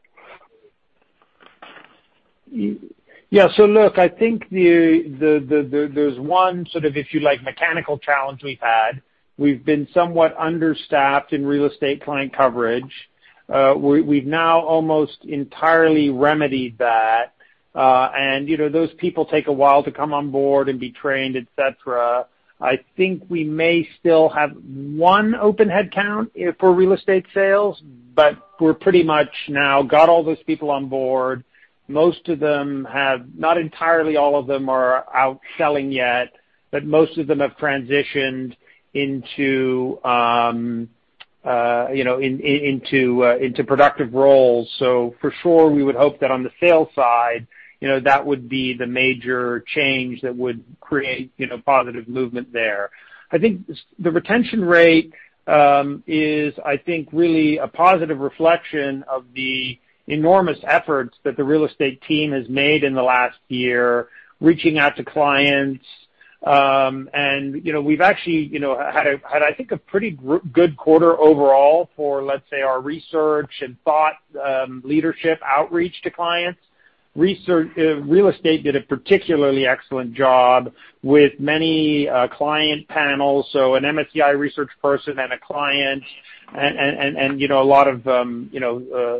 Yeah. Look, I think there's one sort of, if you like, mechanical challenge we've had. We've been somewhat understaffed in Real Estate client coverage. We've now almost entirely remedied that. Those people take a while to come on board and be trained, et cetera. I think we may still have one open headcount for Real Estate sales, but we're pretty much now got all those people on board. Most of them have, not entirely all of them are out selling yet, but most of them have transitioned into productive roles. For sure, we would hope that on the sales side, that would be the major change that would create positive movement there. I think the retention rate is, I think, really a positive reflection of the enormous efforts that the Real Estate team has made in the last year, reaching out to clients, and we've actually had, I think, a pretty good quarter overall for, let's say, our research and thought leadership outreach to clients. Real Estate did a particularly excellent job with many client panels, so an MSCI research person and a client and a lot of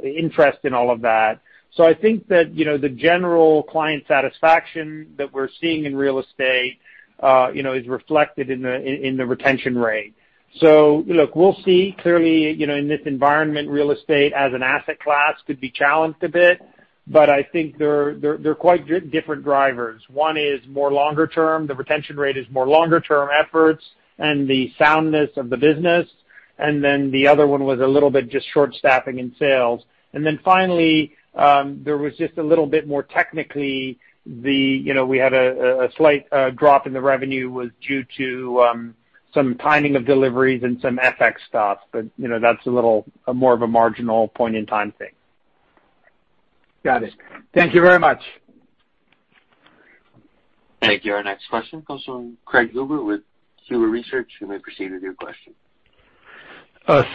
interest in all of that. I think that the general client satisfaction that we're seeing in Real Estate is reflected in the retention rate. Look, we'll see. Clearly, in this environment, Real Estate as an asset class could be challenged a bit, but I think they're quite different drivers. One is more longer term. The retention rate is more longer term efforts and the soundness of the business. The other one was a little bit just short staffing in sales. Finally, there was just a little bit more technically, we had a slight drop in the revenue was due to some timing of deliveries and some FX stuff, but that's a little, more of a marginal point in time thing. Got it. Thank you very much. Thank you. Our next question comes from Craig Huber with Huber Research. You may proceed with your question.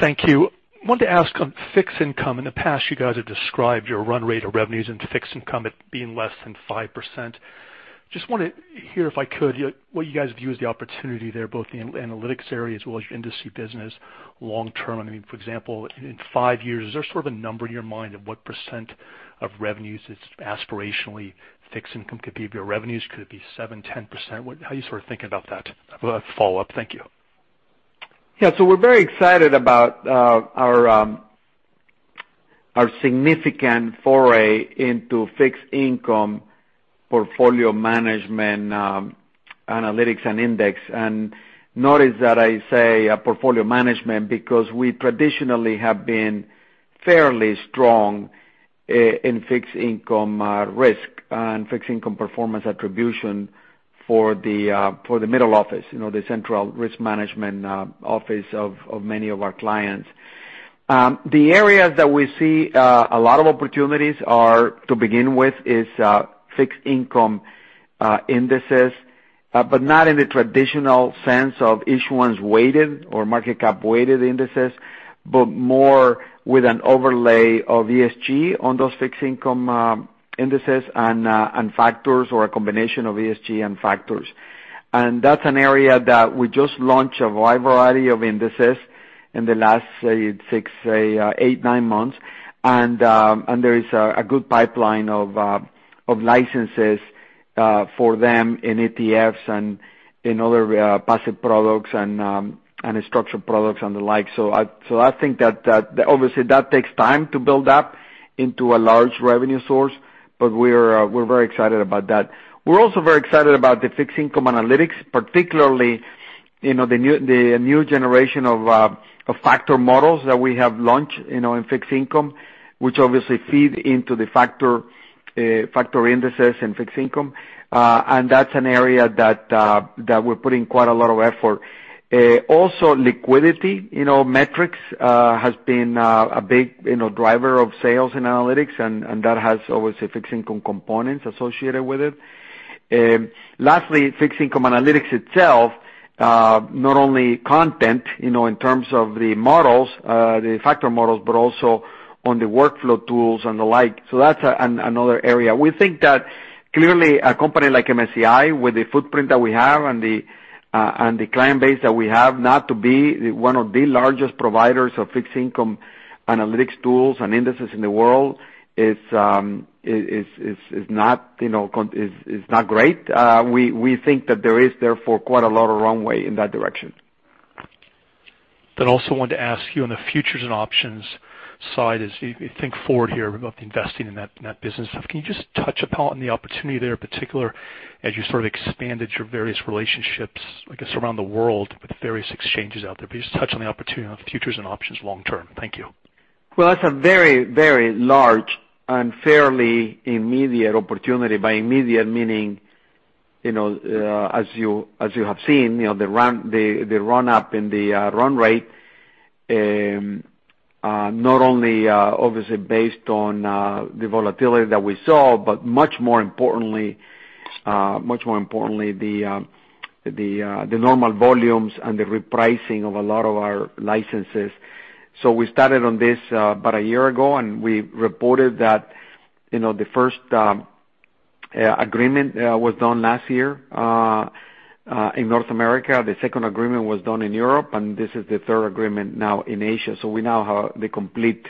Thank you. I wanted to ask on fixed income. In the past, you guys have described your run rate of revenues into fixed income at being less than 5%. Just want to hear, if I could, what you guys view as the opportunity there, both in the analytics area as well as your index business long term. I mean, for example, in five years, is there sort of a number in your mind of what percent of revenues is aspirationally fixed income could be of your revenues? Could it be 7%, 10%? How are you sort of thinking about that? We'll have follow-up. Thank you. Yeah, we're very excited about our significant foray into fixed income portfolio management analytics and index. Notice that I say portfolio management because we traditionally have been fairly strong in fixed income risk and fixed income performance attribution for the middle office, the central risk management office of many of our clients. The areas that we see a lot of opportunities are to begin with is fixed income indexes, but not in the traditional sense of issuance-weighted or market cap-weighted indexes, but more with an overlay of ESG on those fixed income indexes and factors, or a combination of ESG and factors. That's an area that we just launched a wide variety of indexes in the last, say, six, eight, nine months. There is a good pipeline of licenses for them in ETFs and in other passive products and structured products and the like. I think that obviously that takes time to build up into a large revenue source, but we're very excited about that. We're also very excited about the fixed income analytics, particularly the new generation of factor models that we have launched in fixed income, which obviously feed into the factor indexes in fixed income. That's an area that we're putting quite a lot of effort. Also, liquidity metrics has been a big driver of sales in analytics, and that has obviously fixed income components associated with it. Lastly, fixed income analytics itself, not only content in terms of the models, the factor models, but also on the workflow tools and the like. That's another area. We think that clearly a company like MSCI, with the footprint that we have and the client base that we have not to be one of the largest providers of fixed income analytics tools and indexes in the world is not great. We think that there is, therefore, quite a lot of runway in that direction. I also wanted to ask you on the futures and options side, as you think forward here about investing in that business stuff, can you just touch upon the opportunity there in particular as you sort of expanded your various relationships, I guess, around the world with various exchanges out there? Just touch on the opportunity on the futures and options long term. Thank you. Well, that's a very, very large and fairly immediate opportunity. By immediate meaning, as you have seen, the run up in the run rate, not only obviously based on the volatility that we saw, but much more importantly, the normal volumes and the repricing of a lot of our licenses. We started on this about a year ago, and we reported that the first agreement was done last year in North America. The second agreement was done in Europe, and this is the third agreement now in Asia. We now have the complete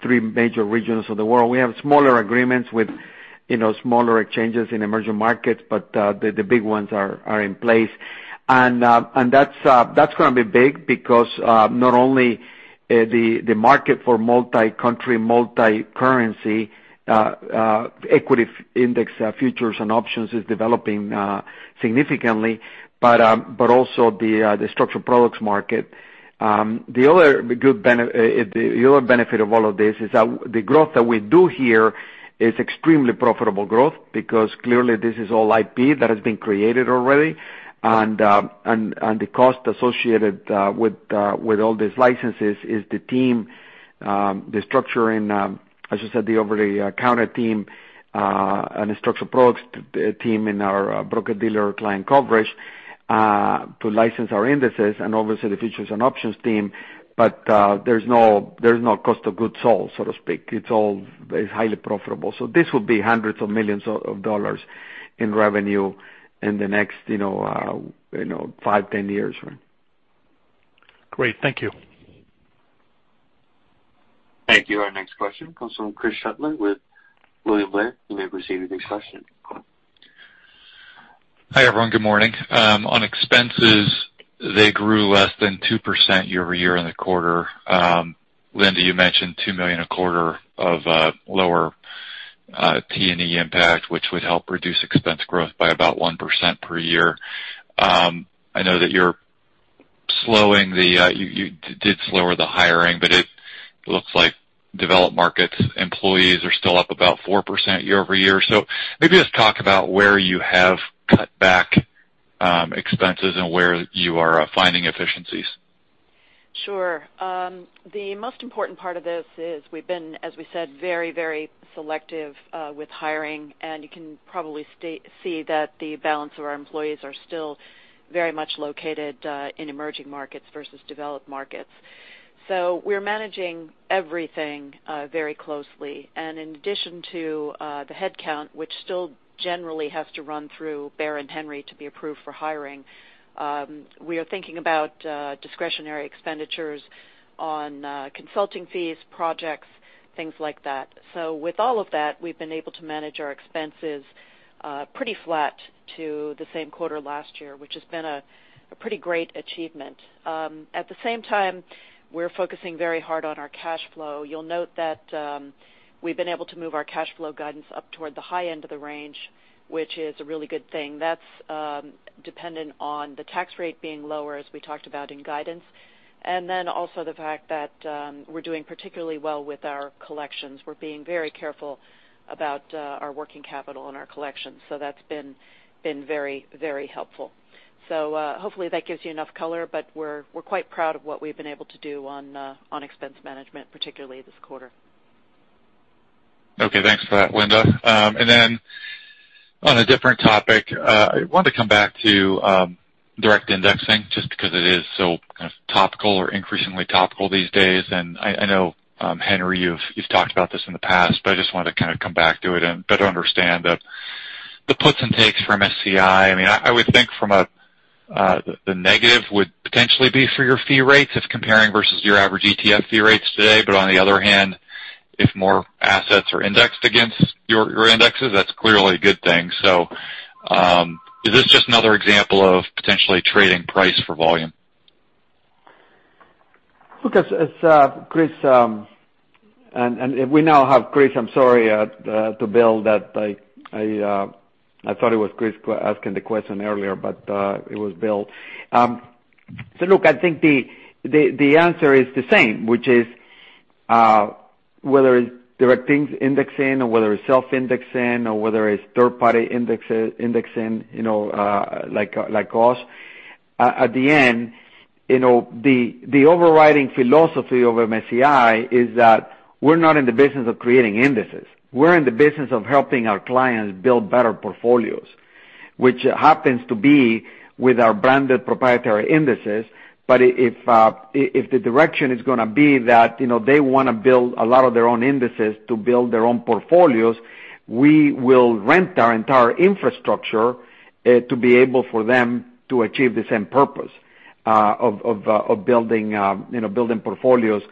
three major regions of the world. We have smaller agreements with smaller exchanges in emerging markets, but the big ones are in place. That's going to be big because not only the market for multi-country, multi-currency equity index futures and options is developing significantly, but also the structured products market. The other benefit of all of this is that the growth that we do here is extremely profitable growth, because clearly this is all IP that has been created already. The cost associated with all these licenses is the team, the structuring, as I said, the over-the-counter team and the structured products team in our broker-dealer client coverage to license our indices and obviously the futures and options team. There's no cost of goods sold, so to speak. It's highly profitable. This will be hundreds of millions of dollars in revenue in the next five, 10 years. Great. Thank you. Thank you. Our next question comes from Chris Shutler with William Blair. You may proceed with your question. Hi, everyone. Good morning. On expenses, they grew less than 2% year-over-year in the quarter. Linda, you mentioned $2 million a quarter of lower T&E impact, which would help reduce expense growth by about 1% per year. I know that you did lower the hiring, it looks like developed markets employees are still up about 4% year-over-year. Maybe just talk about where you have cut back expenses and where you are finding efficiencies. Sure. The most important part of this is we've been, as we said, very selective with hiring, and you can probably see that the balance of our employees are still very much located in emerging markets versus developed markets. We're managing everything very closely. In addition to the headcount, which still generally has to run through Baer and Henry to be approved for hiring, we are thinking about discretionary expenditures on consulting fees, projects, things like that. With all of that, we've been able to manage our expenses pretty flat to the same quarter last year, which has been a pretty great achievement. At the same time, we're focusing very hard on our cash flow. You'll note that we've been able to move our cash flow guidance up toward the high end of the range, which is a really good thing. That's dependent on the tax rate being lower, as we talked about in guidance. Also the fact that we're doing particularly well with our collections. We're being very careful about our working capital and our collections. That's been very helpful. Hopefully that gives you enough color, but we're quite proud of what we've been able to do on expense management, particularly this quarter. Okay, thanks for that, Linda. Then on a different topic, I wanted to come back to direct indexing just because it is so kind of topical or increasingly topical these days. I know, Henry, you've talked about this in the past, but I just wanted to kind of come back to it and better understand the puts and takes from MSCI. I would think the negative would potentially be for your fee rates if comparing versus your average ETF fee rates today. On the other hand, if more assets are indexed against your indexes, that's clearly a good thing. Is this just another example of potentially trading price for volume? Look, Chris, and we now have Chris. I'm sorry to Bill that I thought it was Chris asking the question earlier, but it was Bill. Look, I think the answer is the same, which is whether it's direct indexing or whether it's self-indexing or whether it's third-party indexing like us. At the end, the overriding philosophy of MSCI is that we're not in the business of creating indices. We're in the business of helping our clients build better portfolios, which happens to be with our branded proprietary indices. If the direction is going to be that they want to build a lot of their own indices to build their own portfolios, we will rent our entire infrastructure to be able for them to achieve the same purpose of building portfolios.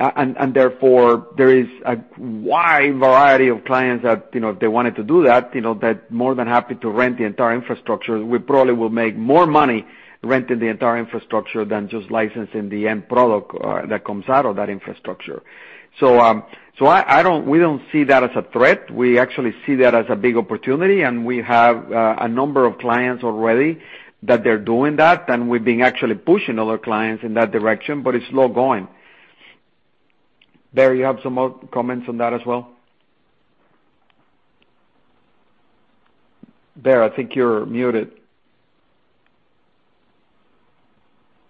Therefore, there is a wide variety of clients that if they wanted to do that more than happy to rent the entire infrastructure. We probably will make more money renting the entire infrastructure than just licensing the end product that comes out of that infrastructure. We don't see that as a threat. We actually see that as a big opportunity, and we have a number of clients already that they're doing that, and we've been actually pushing other clients in that direction, but it's slow going. Baer, you have some more comments on that as well? Baer, I think you're muted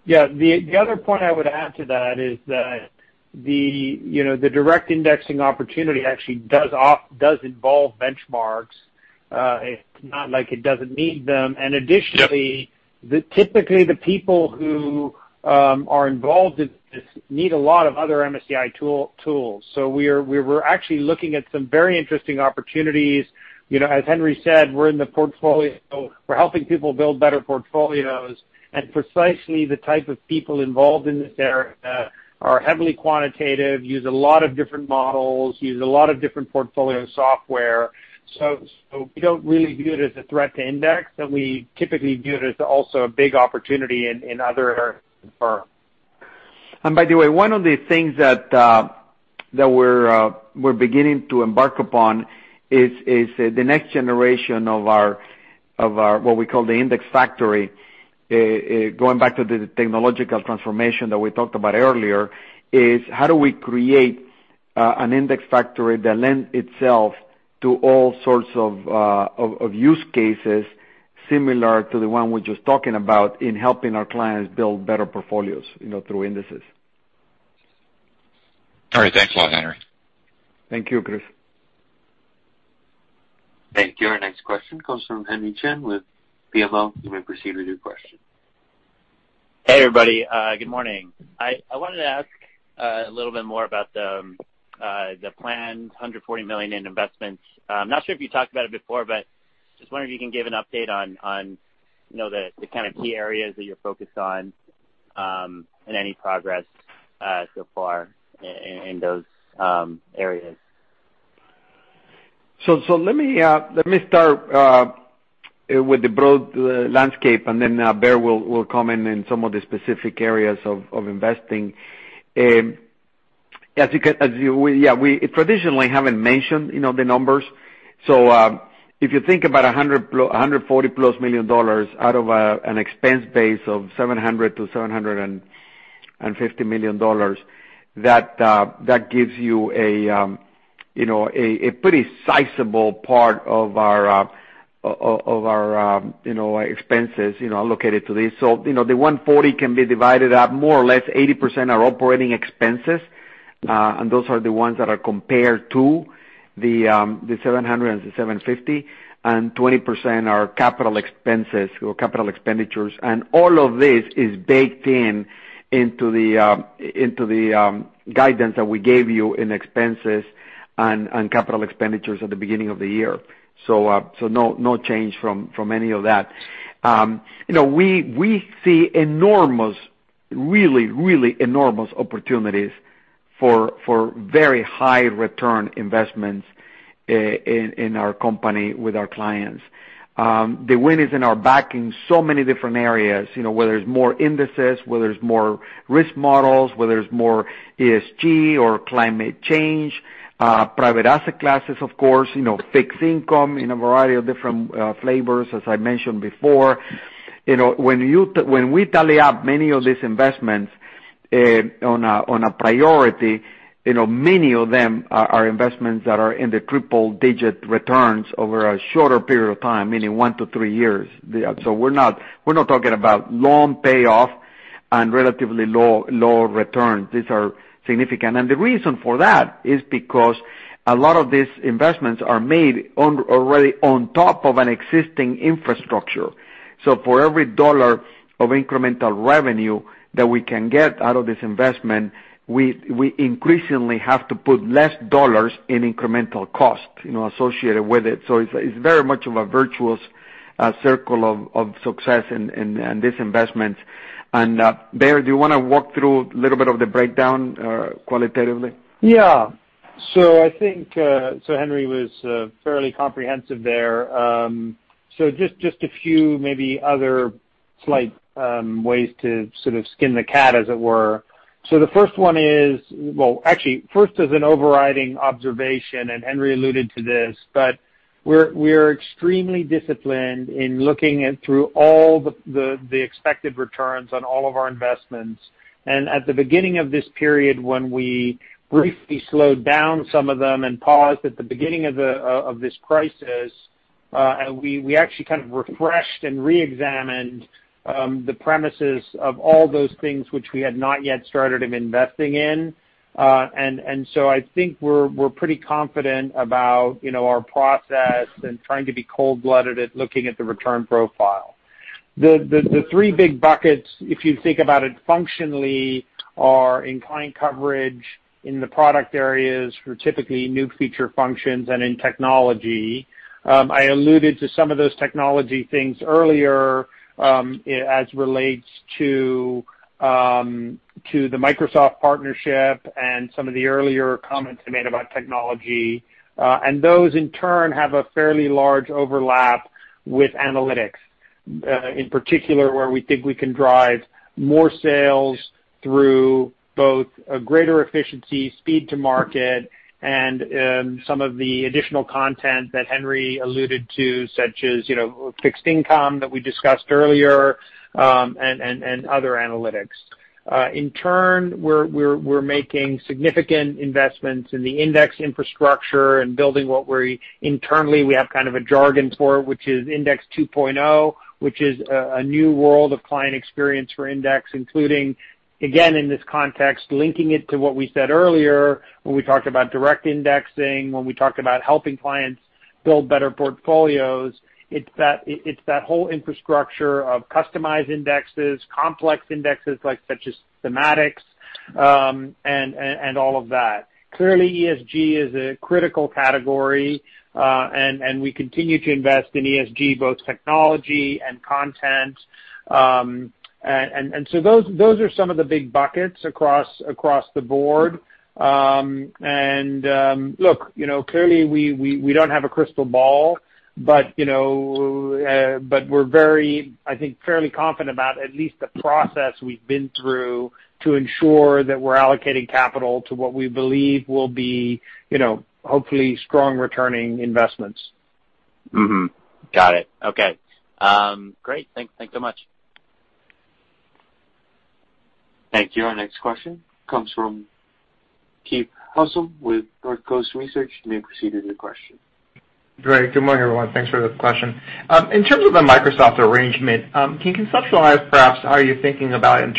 Yeah. The other point I would add to that is that the direct indexing opportunity actually does involve benchmarks. It's not like it doesn't need them. Yep. Typically, the people who are involved in this need a lot of other MSCI tools. We're actually looking at some very interesting opportunities. As Henry said, we're in the portfolio. We're helping people build better portfolios, and precisely the type of people involved in this area are heavily quantitative, use a lot of different models, use a lot of different portfolio software. We don't really view it as a threat to index, but we typically view it as also a big opportunity in other areas of the firm. By the way, one of the things that we're beginning to embark upon is the next generation of our, what we call the index factory. Going back to the technological transformation that we talked about earlier, is how do we create an index factory that lends itself to all sorts of use cases similar to the one we're just talking about in helping our clients build better portfolios through indices. All right. Thanks a lot, Henry. Thank you, Chris. Thank you. Our next question comes from Henry Chien with BMO. You may proceed with your question. Hey, everybody. Good morning. I wanted to ask a little bit more about the planned $140 million in investments. I'm not sure if you talked about it before, but just wondering if you can give an update on the kind of key areas that you're focused on, and any progress so far in those areas. Let me start with the broad landscape, and then Baer will come in in some of the specific areas of investing. We traditionally haven't mentioned the numbers. If you think about $140+ million out of an expense base of $700 million-$750 million, that gives you a pretty sizable part of our expenses allocated to this. The $140 million can be divided up more or less 80% are operating expenses, and those are the ones that are compared to the $700 million and the $750 million, and 20% are capital expenses or capital expenditures. All of this is baked in into the guidance that we gave you in expenses and capital expenditures at the beginning of the year. No change from any of that. We see enormous, really enormous opportunities for very high return investments in our company with our clients. The wind is in our backing so many different areas, whether it's more indices, whether it's more risk models, whether it's more ESG or climate change, private asset classes, of course, fixed income in a variety of different flavors, as I mentioned before. When we tally up many of these investments on a priority, many of them are investments that are in the triple digit returns over a shorter period of time, meaning one to three years. We're not talking about long payoff and relatively low returns. These are significant. The reason for that is because a lot of these investments are made already on top of an existing infrastructure. For every dollar of incremental revenue that we can get out of this investment, we increasingly have to put less dollars in incremental cost associated with it. It's very much of a virtuous circle of success in these investments. Baer, do you want to walk through a little bit of the breakdown qualitatively? Yeah. I think Henry was fairly comprehensive there. Just a few maybe other slight ways to sort of skin the cat, as it were. The first one is, well, actually, first is an overriding observation. Henry alluded to this, we're extremely disciplined in looking at through all the expected returns on all of our investments. At the beginning of this period, when we briefly slowed down some of them and paused at the beginning of this crisis, we actually kind of refreshed and reexamined the premises of all those things which we had not yet started investing in. I think we're pretty confident about our process and trying to be cold-blooded at looking at the return profile. The three big buckets, if you think about it functionally, are in client coverage in the product areas for typically new feature functions and in technology. I alluded to some of those technology things earlier, as relates to the Microsoft partnership and some of the earlier comments I made about technology. Those in turn have a fairly large overlap with analytics, in particular, where we think we can drive more sales through both a greater efficiency, speed to market, and some of the additional content that Henry alluded to, such as fixed income that we discussed earlier, and other analytics. In turn, we're making significant investments in the index infrastructure and building what we internally have kind of a jargon for, which is Index 2.0, which is a new world of client experience for index, including, again, in this context, linking it to what we said earlier when we talked about direct indexing, when we talked about helping clients build better portfolios. It's that whole infrastructure of customized indexes, complex indexes such as thematics, and all of that. Clearly, ESG is a critical category, and we continue to invest in ESG, both technology and content. Those are some of the big buckets across the board. Look, clearly, we don't have a crystal ball, but we're very, I think, fairly confident about at least the process we've been through to ensure that we're allocating capital to what we believe will be hopefully strong-returning investments. Mm-hmm. Got it. Okay. Great. Thanks so much. Thank you. Our next question comes from Keith Housum with Northcoast Research. You may proceed with your question. Great. Good morning, everyone. Thanks for the question. In terms of the Microsoft arrangement, can you conceptualize, perhaps, how you're thinking about, is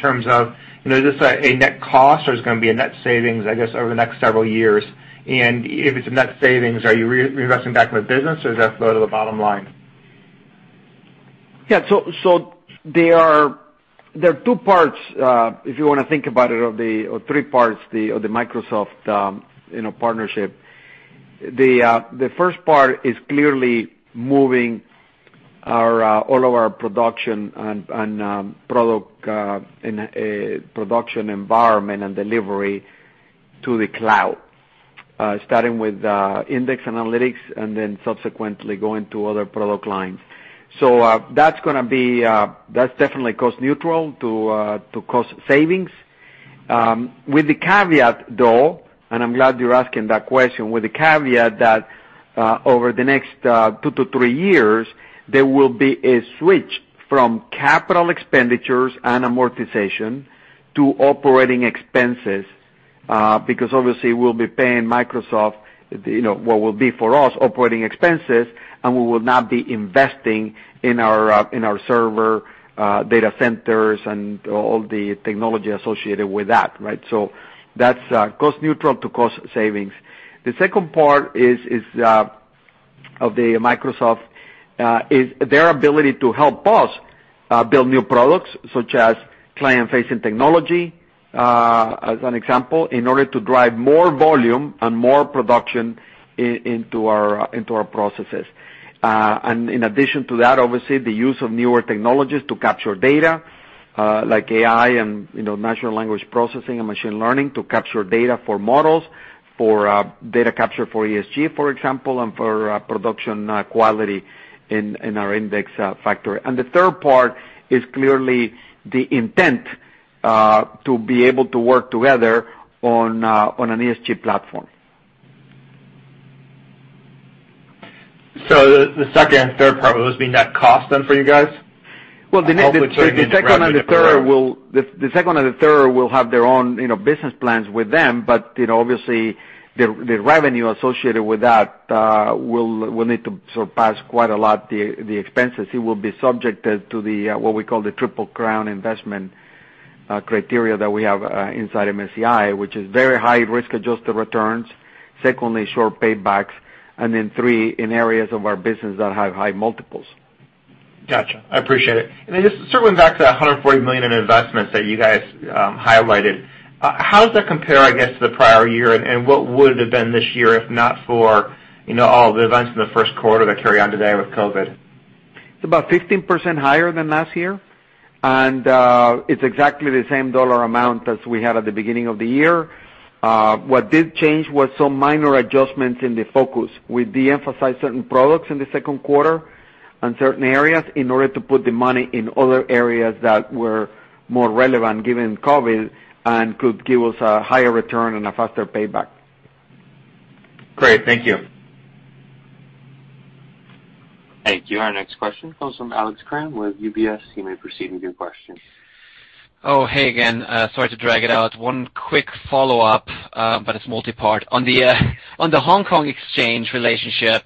this a net cost or it's going to be a net savings, I guess, over the next several years? If it's a net savings, are you reinvesting back in the business or does that go to the bottom line? Yeah. There are two parts, if you want to think about it, or three parts of the Microsoft partnership. The first part is clearly moving all of our production environment and delivery to the cloud, starting with index analytics and then subsequently going to other product lines. That's definitely cost neutral to cost savings. With the caveat, though, and I'm glad you're asking that question, with the caveat that over the next two to three years, there will be a switch from capital expenditures and amortization to operating expenses, because obviously we'll be paying Microsoft what will be for us, operating expenses, and we will not be investing in our server data centers and all the technology associated with that. Right? That's cost neutral to cost savings. The second part of the Microsoft is their ability to help us build new products, such as client-facing technology, as an example, in order to drive more volume and more production into our processes. In addition to that, obviously, the use of newer technologies to capture data, like AI and natural language processing and machine learning to capture data for models, for data capture for ESG, for example, and for production quality in our index factory. The third part is clearly the intent to be able to work together on an ESG platform. The second and third part, will those be net cost then for you guys? Well, the second and the third will have their own business plans with them, but obviously, the revenue associated with that will need to surpass quite a lot the expenses. It will be subjected to what we call the Triple-Crown investment criteria that we have inside MSCI, which is very high risk-adjusted returns, secondly, short paybacks, and then three, in areas of our business that have high multiples. Got you. I appreciate it. Just circling back to that $140 million in investments that you guys highlighted. How does that compare, I guess, to the prior year, and what would it have been this year, if not for all the events in the first quarter that carry on today with COVID? It's about 15% higher than last year, and it's exactly the same dollar amount as we had at the beginning of the year. What did change was some minor adjustments in the focus. We de-emphasized certain products in the second quarter and certain areas in order to put the money in other areas that were more relevant given COVID and could give us a higher return and a faster payback. Great. Thank you. Thank you. Our next question comes from Alex Kramm with UBS. You may proceed with your question. Oh, hey again. Sorry to drag it out. One quick follow-up, but it's multi-part. On the Hong Kong Exchanges and Clearing relationship,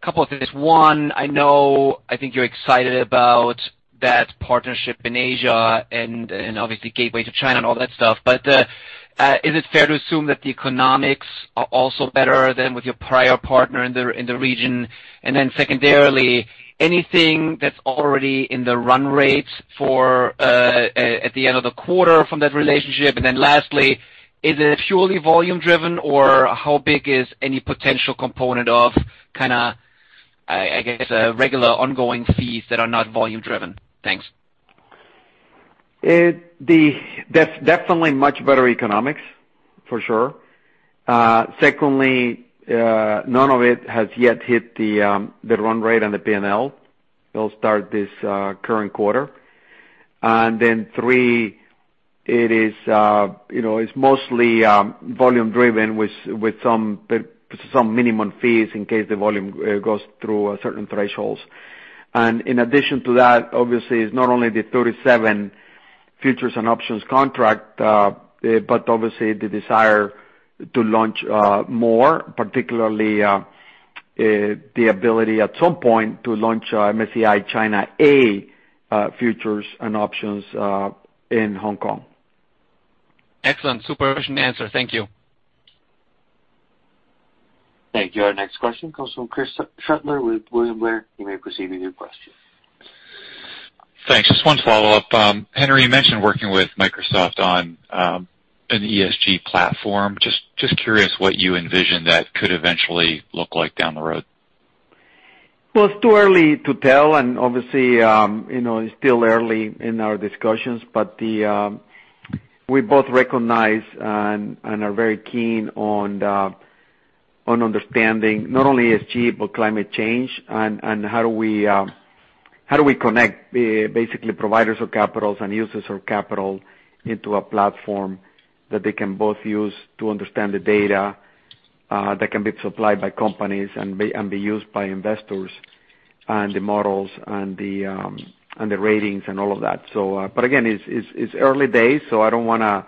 couple of things. One, I know, I think you're excited about that partnership in Asia and obviously gateway to China and all that stuff. Is it fair to assume that the economics are also better than with your prior partner in the region? Secondarily, anything that's already in the run rate at the end of the quarter from that relationship? Lastly, is it purely volume driven, or how big is any potential component of kind of, I guess, regular ongoing fees that are not volume driven? Thanks. That's definitely much better economics, for sure. Secondly, none of it has yet hit the run rate on the P&L. They'll start this current quarter. Three, it's mostly volume driven with some minimum fees in case the volume goes through certain thresholds. In addition to that, obviously it's not only the 37 futures and options contract, but obviously the desire to launch more, particularly, the ability at some point to launch MSCI China A futures and options in Hong Kong. Excellent. Superb answer. Thank you. Thank you. Our next question comes from Chris Shutler with William Blair. You may proceed with your question. Thanks. Just one follow-up. Henry, you mentioned working with Microsoft on an ESG platform. Just curious what you envision that could eventually look like down the road. Well, it's too early to tell, and obviously, it's still early in our discussions, but we both recognize and are very keen on understanding not only ESG, but climate change and how do we connect basically providers of capitals and users of capital into a platform that they can both use to understand the data that can be supplied by companies and be used by investors and the models and the ratings and all of that. Again, it's early days, so I don't want to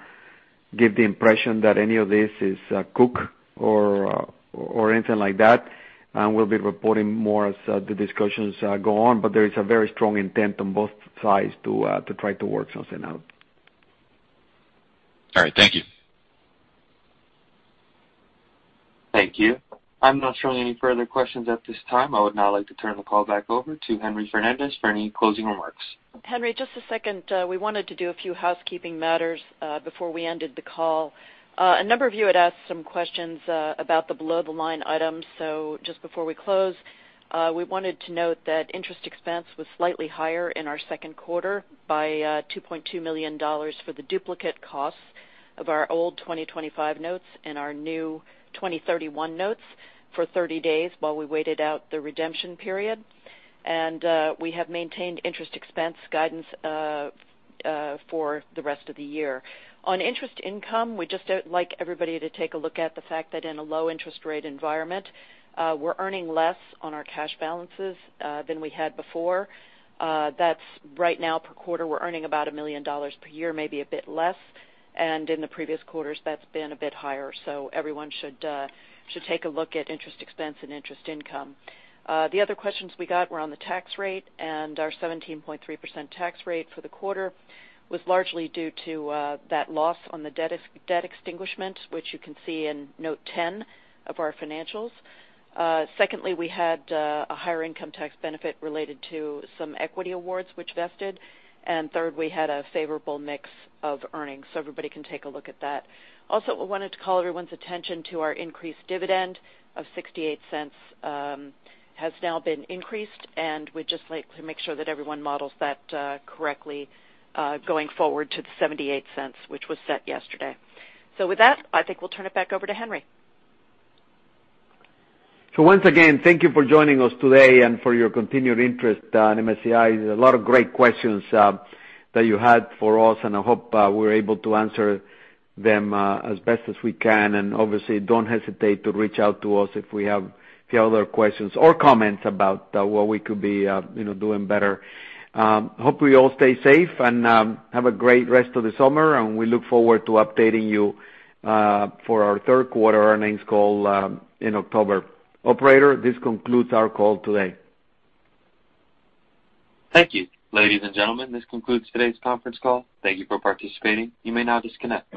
give the impression that any of this is cooked or anything like that, and we'll be reporting more as the discussions go on. There is a very strong intent on both sides to try to work something out. All right. Thank you. Thank you. I'm not showing any further questions at this time. I would now like to turn the call back over to Henry Fernandez for any closing remarks. Henry, just a second. We wanted to do a few housekeeping matters before we ended the call. A number of you had asked some questions about the below-the-line items. Just before we close, we wanted to note that interest expense was slightly higher in our second quarter by $2.2 million for the duplicate costs of our old 2025 notes and our new 2031 notes for 30 days while we waited out the redemption period. We have maintained interest expense guidance for the rest of the year. On interest income, we just like everybody to take a look at the fact that in a low interest rate environment, we're earning less on our cash balances than we had before. That's right now per quarter, we're earning about $1 million per year, maybe a bit less. In the previous quarters, that's been a bit higher. Everyone should take a look at interest expense and interest income. The other questions we got were on the tax rate, and our 17.3% tax rate for the quarter was largely due to that loss on the debt extinguishment, which you can see in note 10 of our financials. Secondly, we had a higher income tax benefit related to some equity awards which vested. Third, we had a favorable mix of earnings, so everybody can take a look at that. Also, I wanted to call everyone's attention to our increased dividend of $0.68 has now been increased, and we'd just like to make sure that everyone models that correctly going forward to the $0.78, which was set yesterday. With that, I think we'll turn it back over to Henry. Once again, thank you for joining us today and for your continued interest in MSCI. There's a lot of great questions that you had for us, and I hope we were able to answer them as best as we can, and obviously don't hesitate to reach out to us if you have other questions or comments about what we could be doing better. Hope you all stay safe, and have a great rest of the summer, and we look forward to updating you for our third quarter earnings call in October. Operator, this concludes our call today. Thank you. Ladies and gentlemen, this concludes today's conference call. Thank you for participating. You may now disconnect.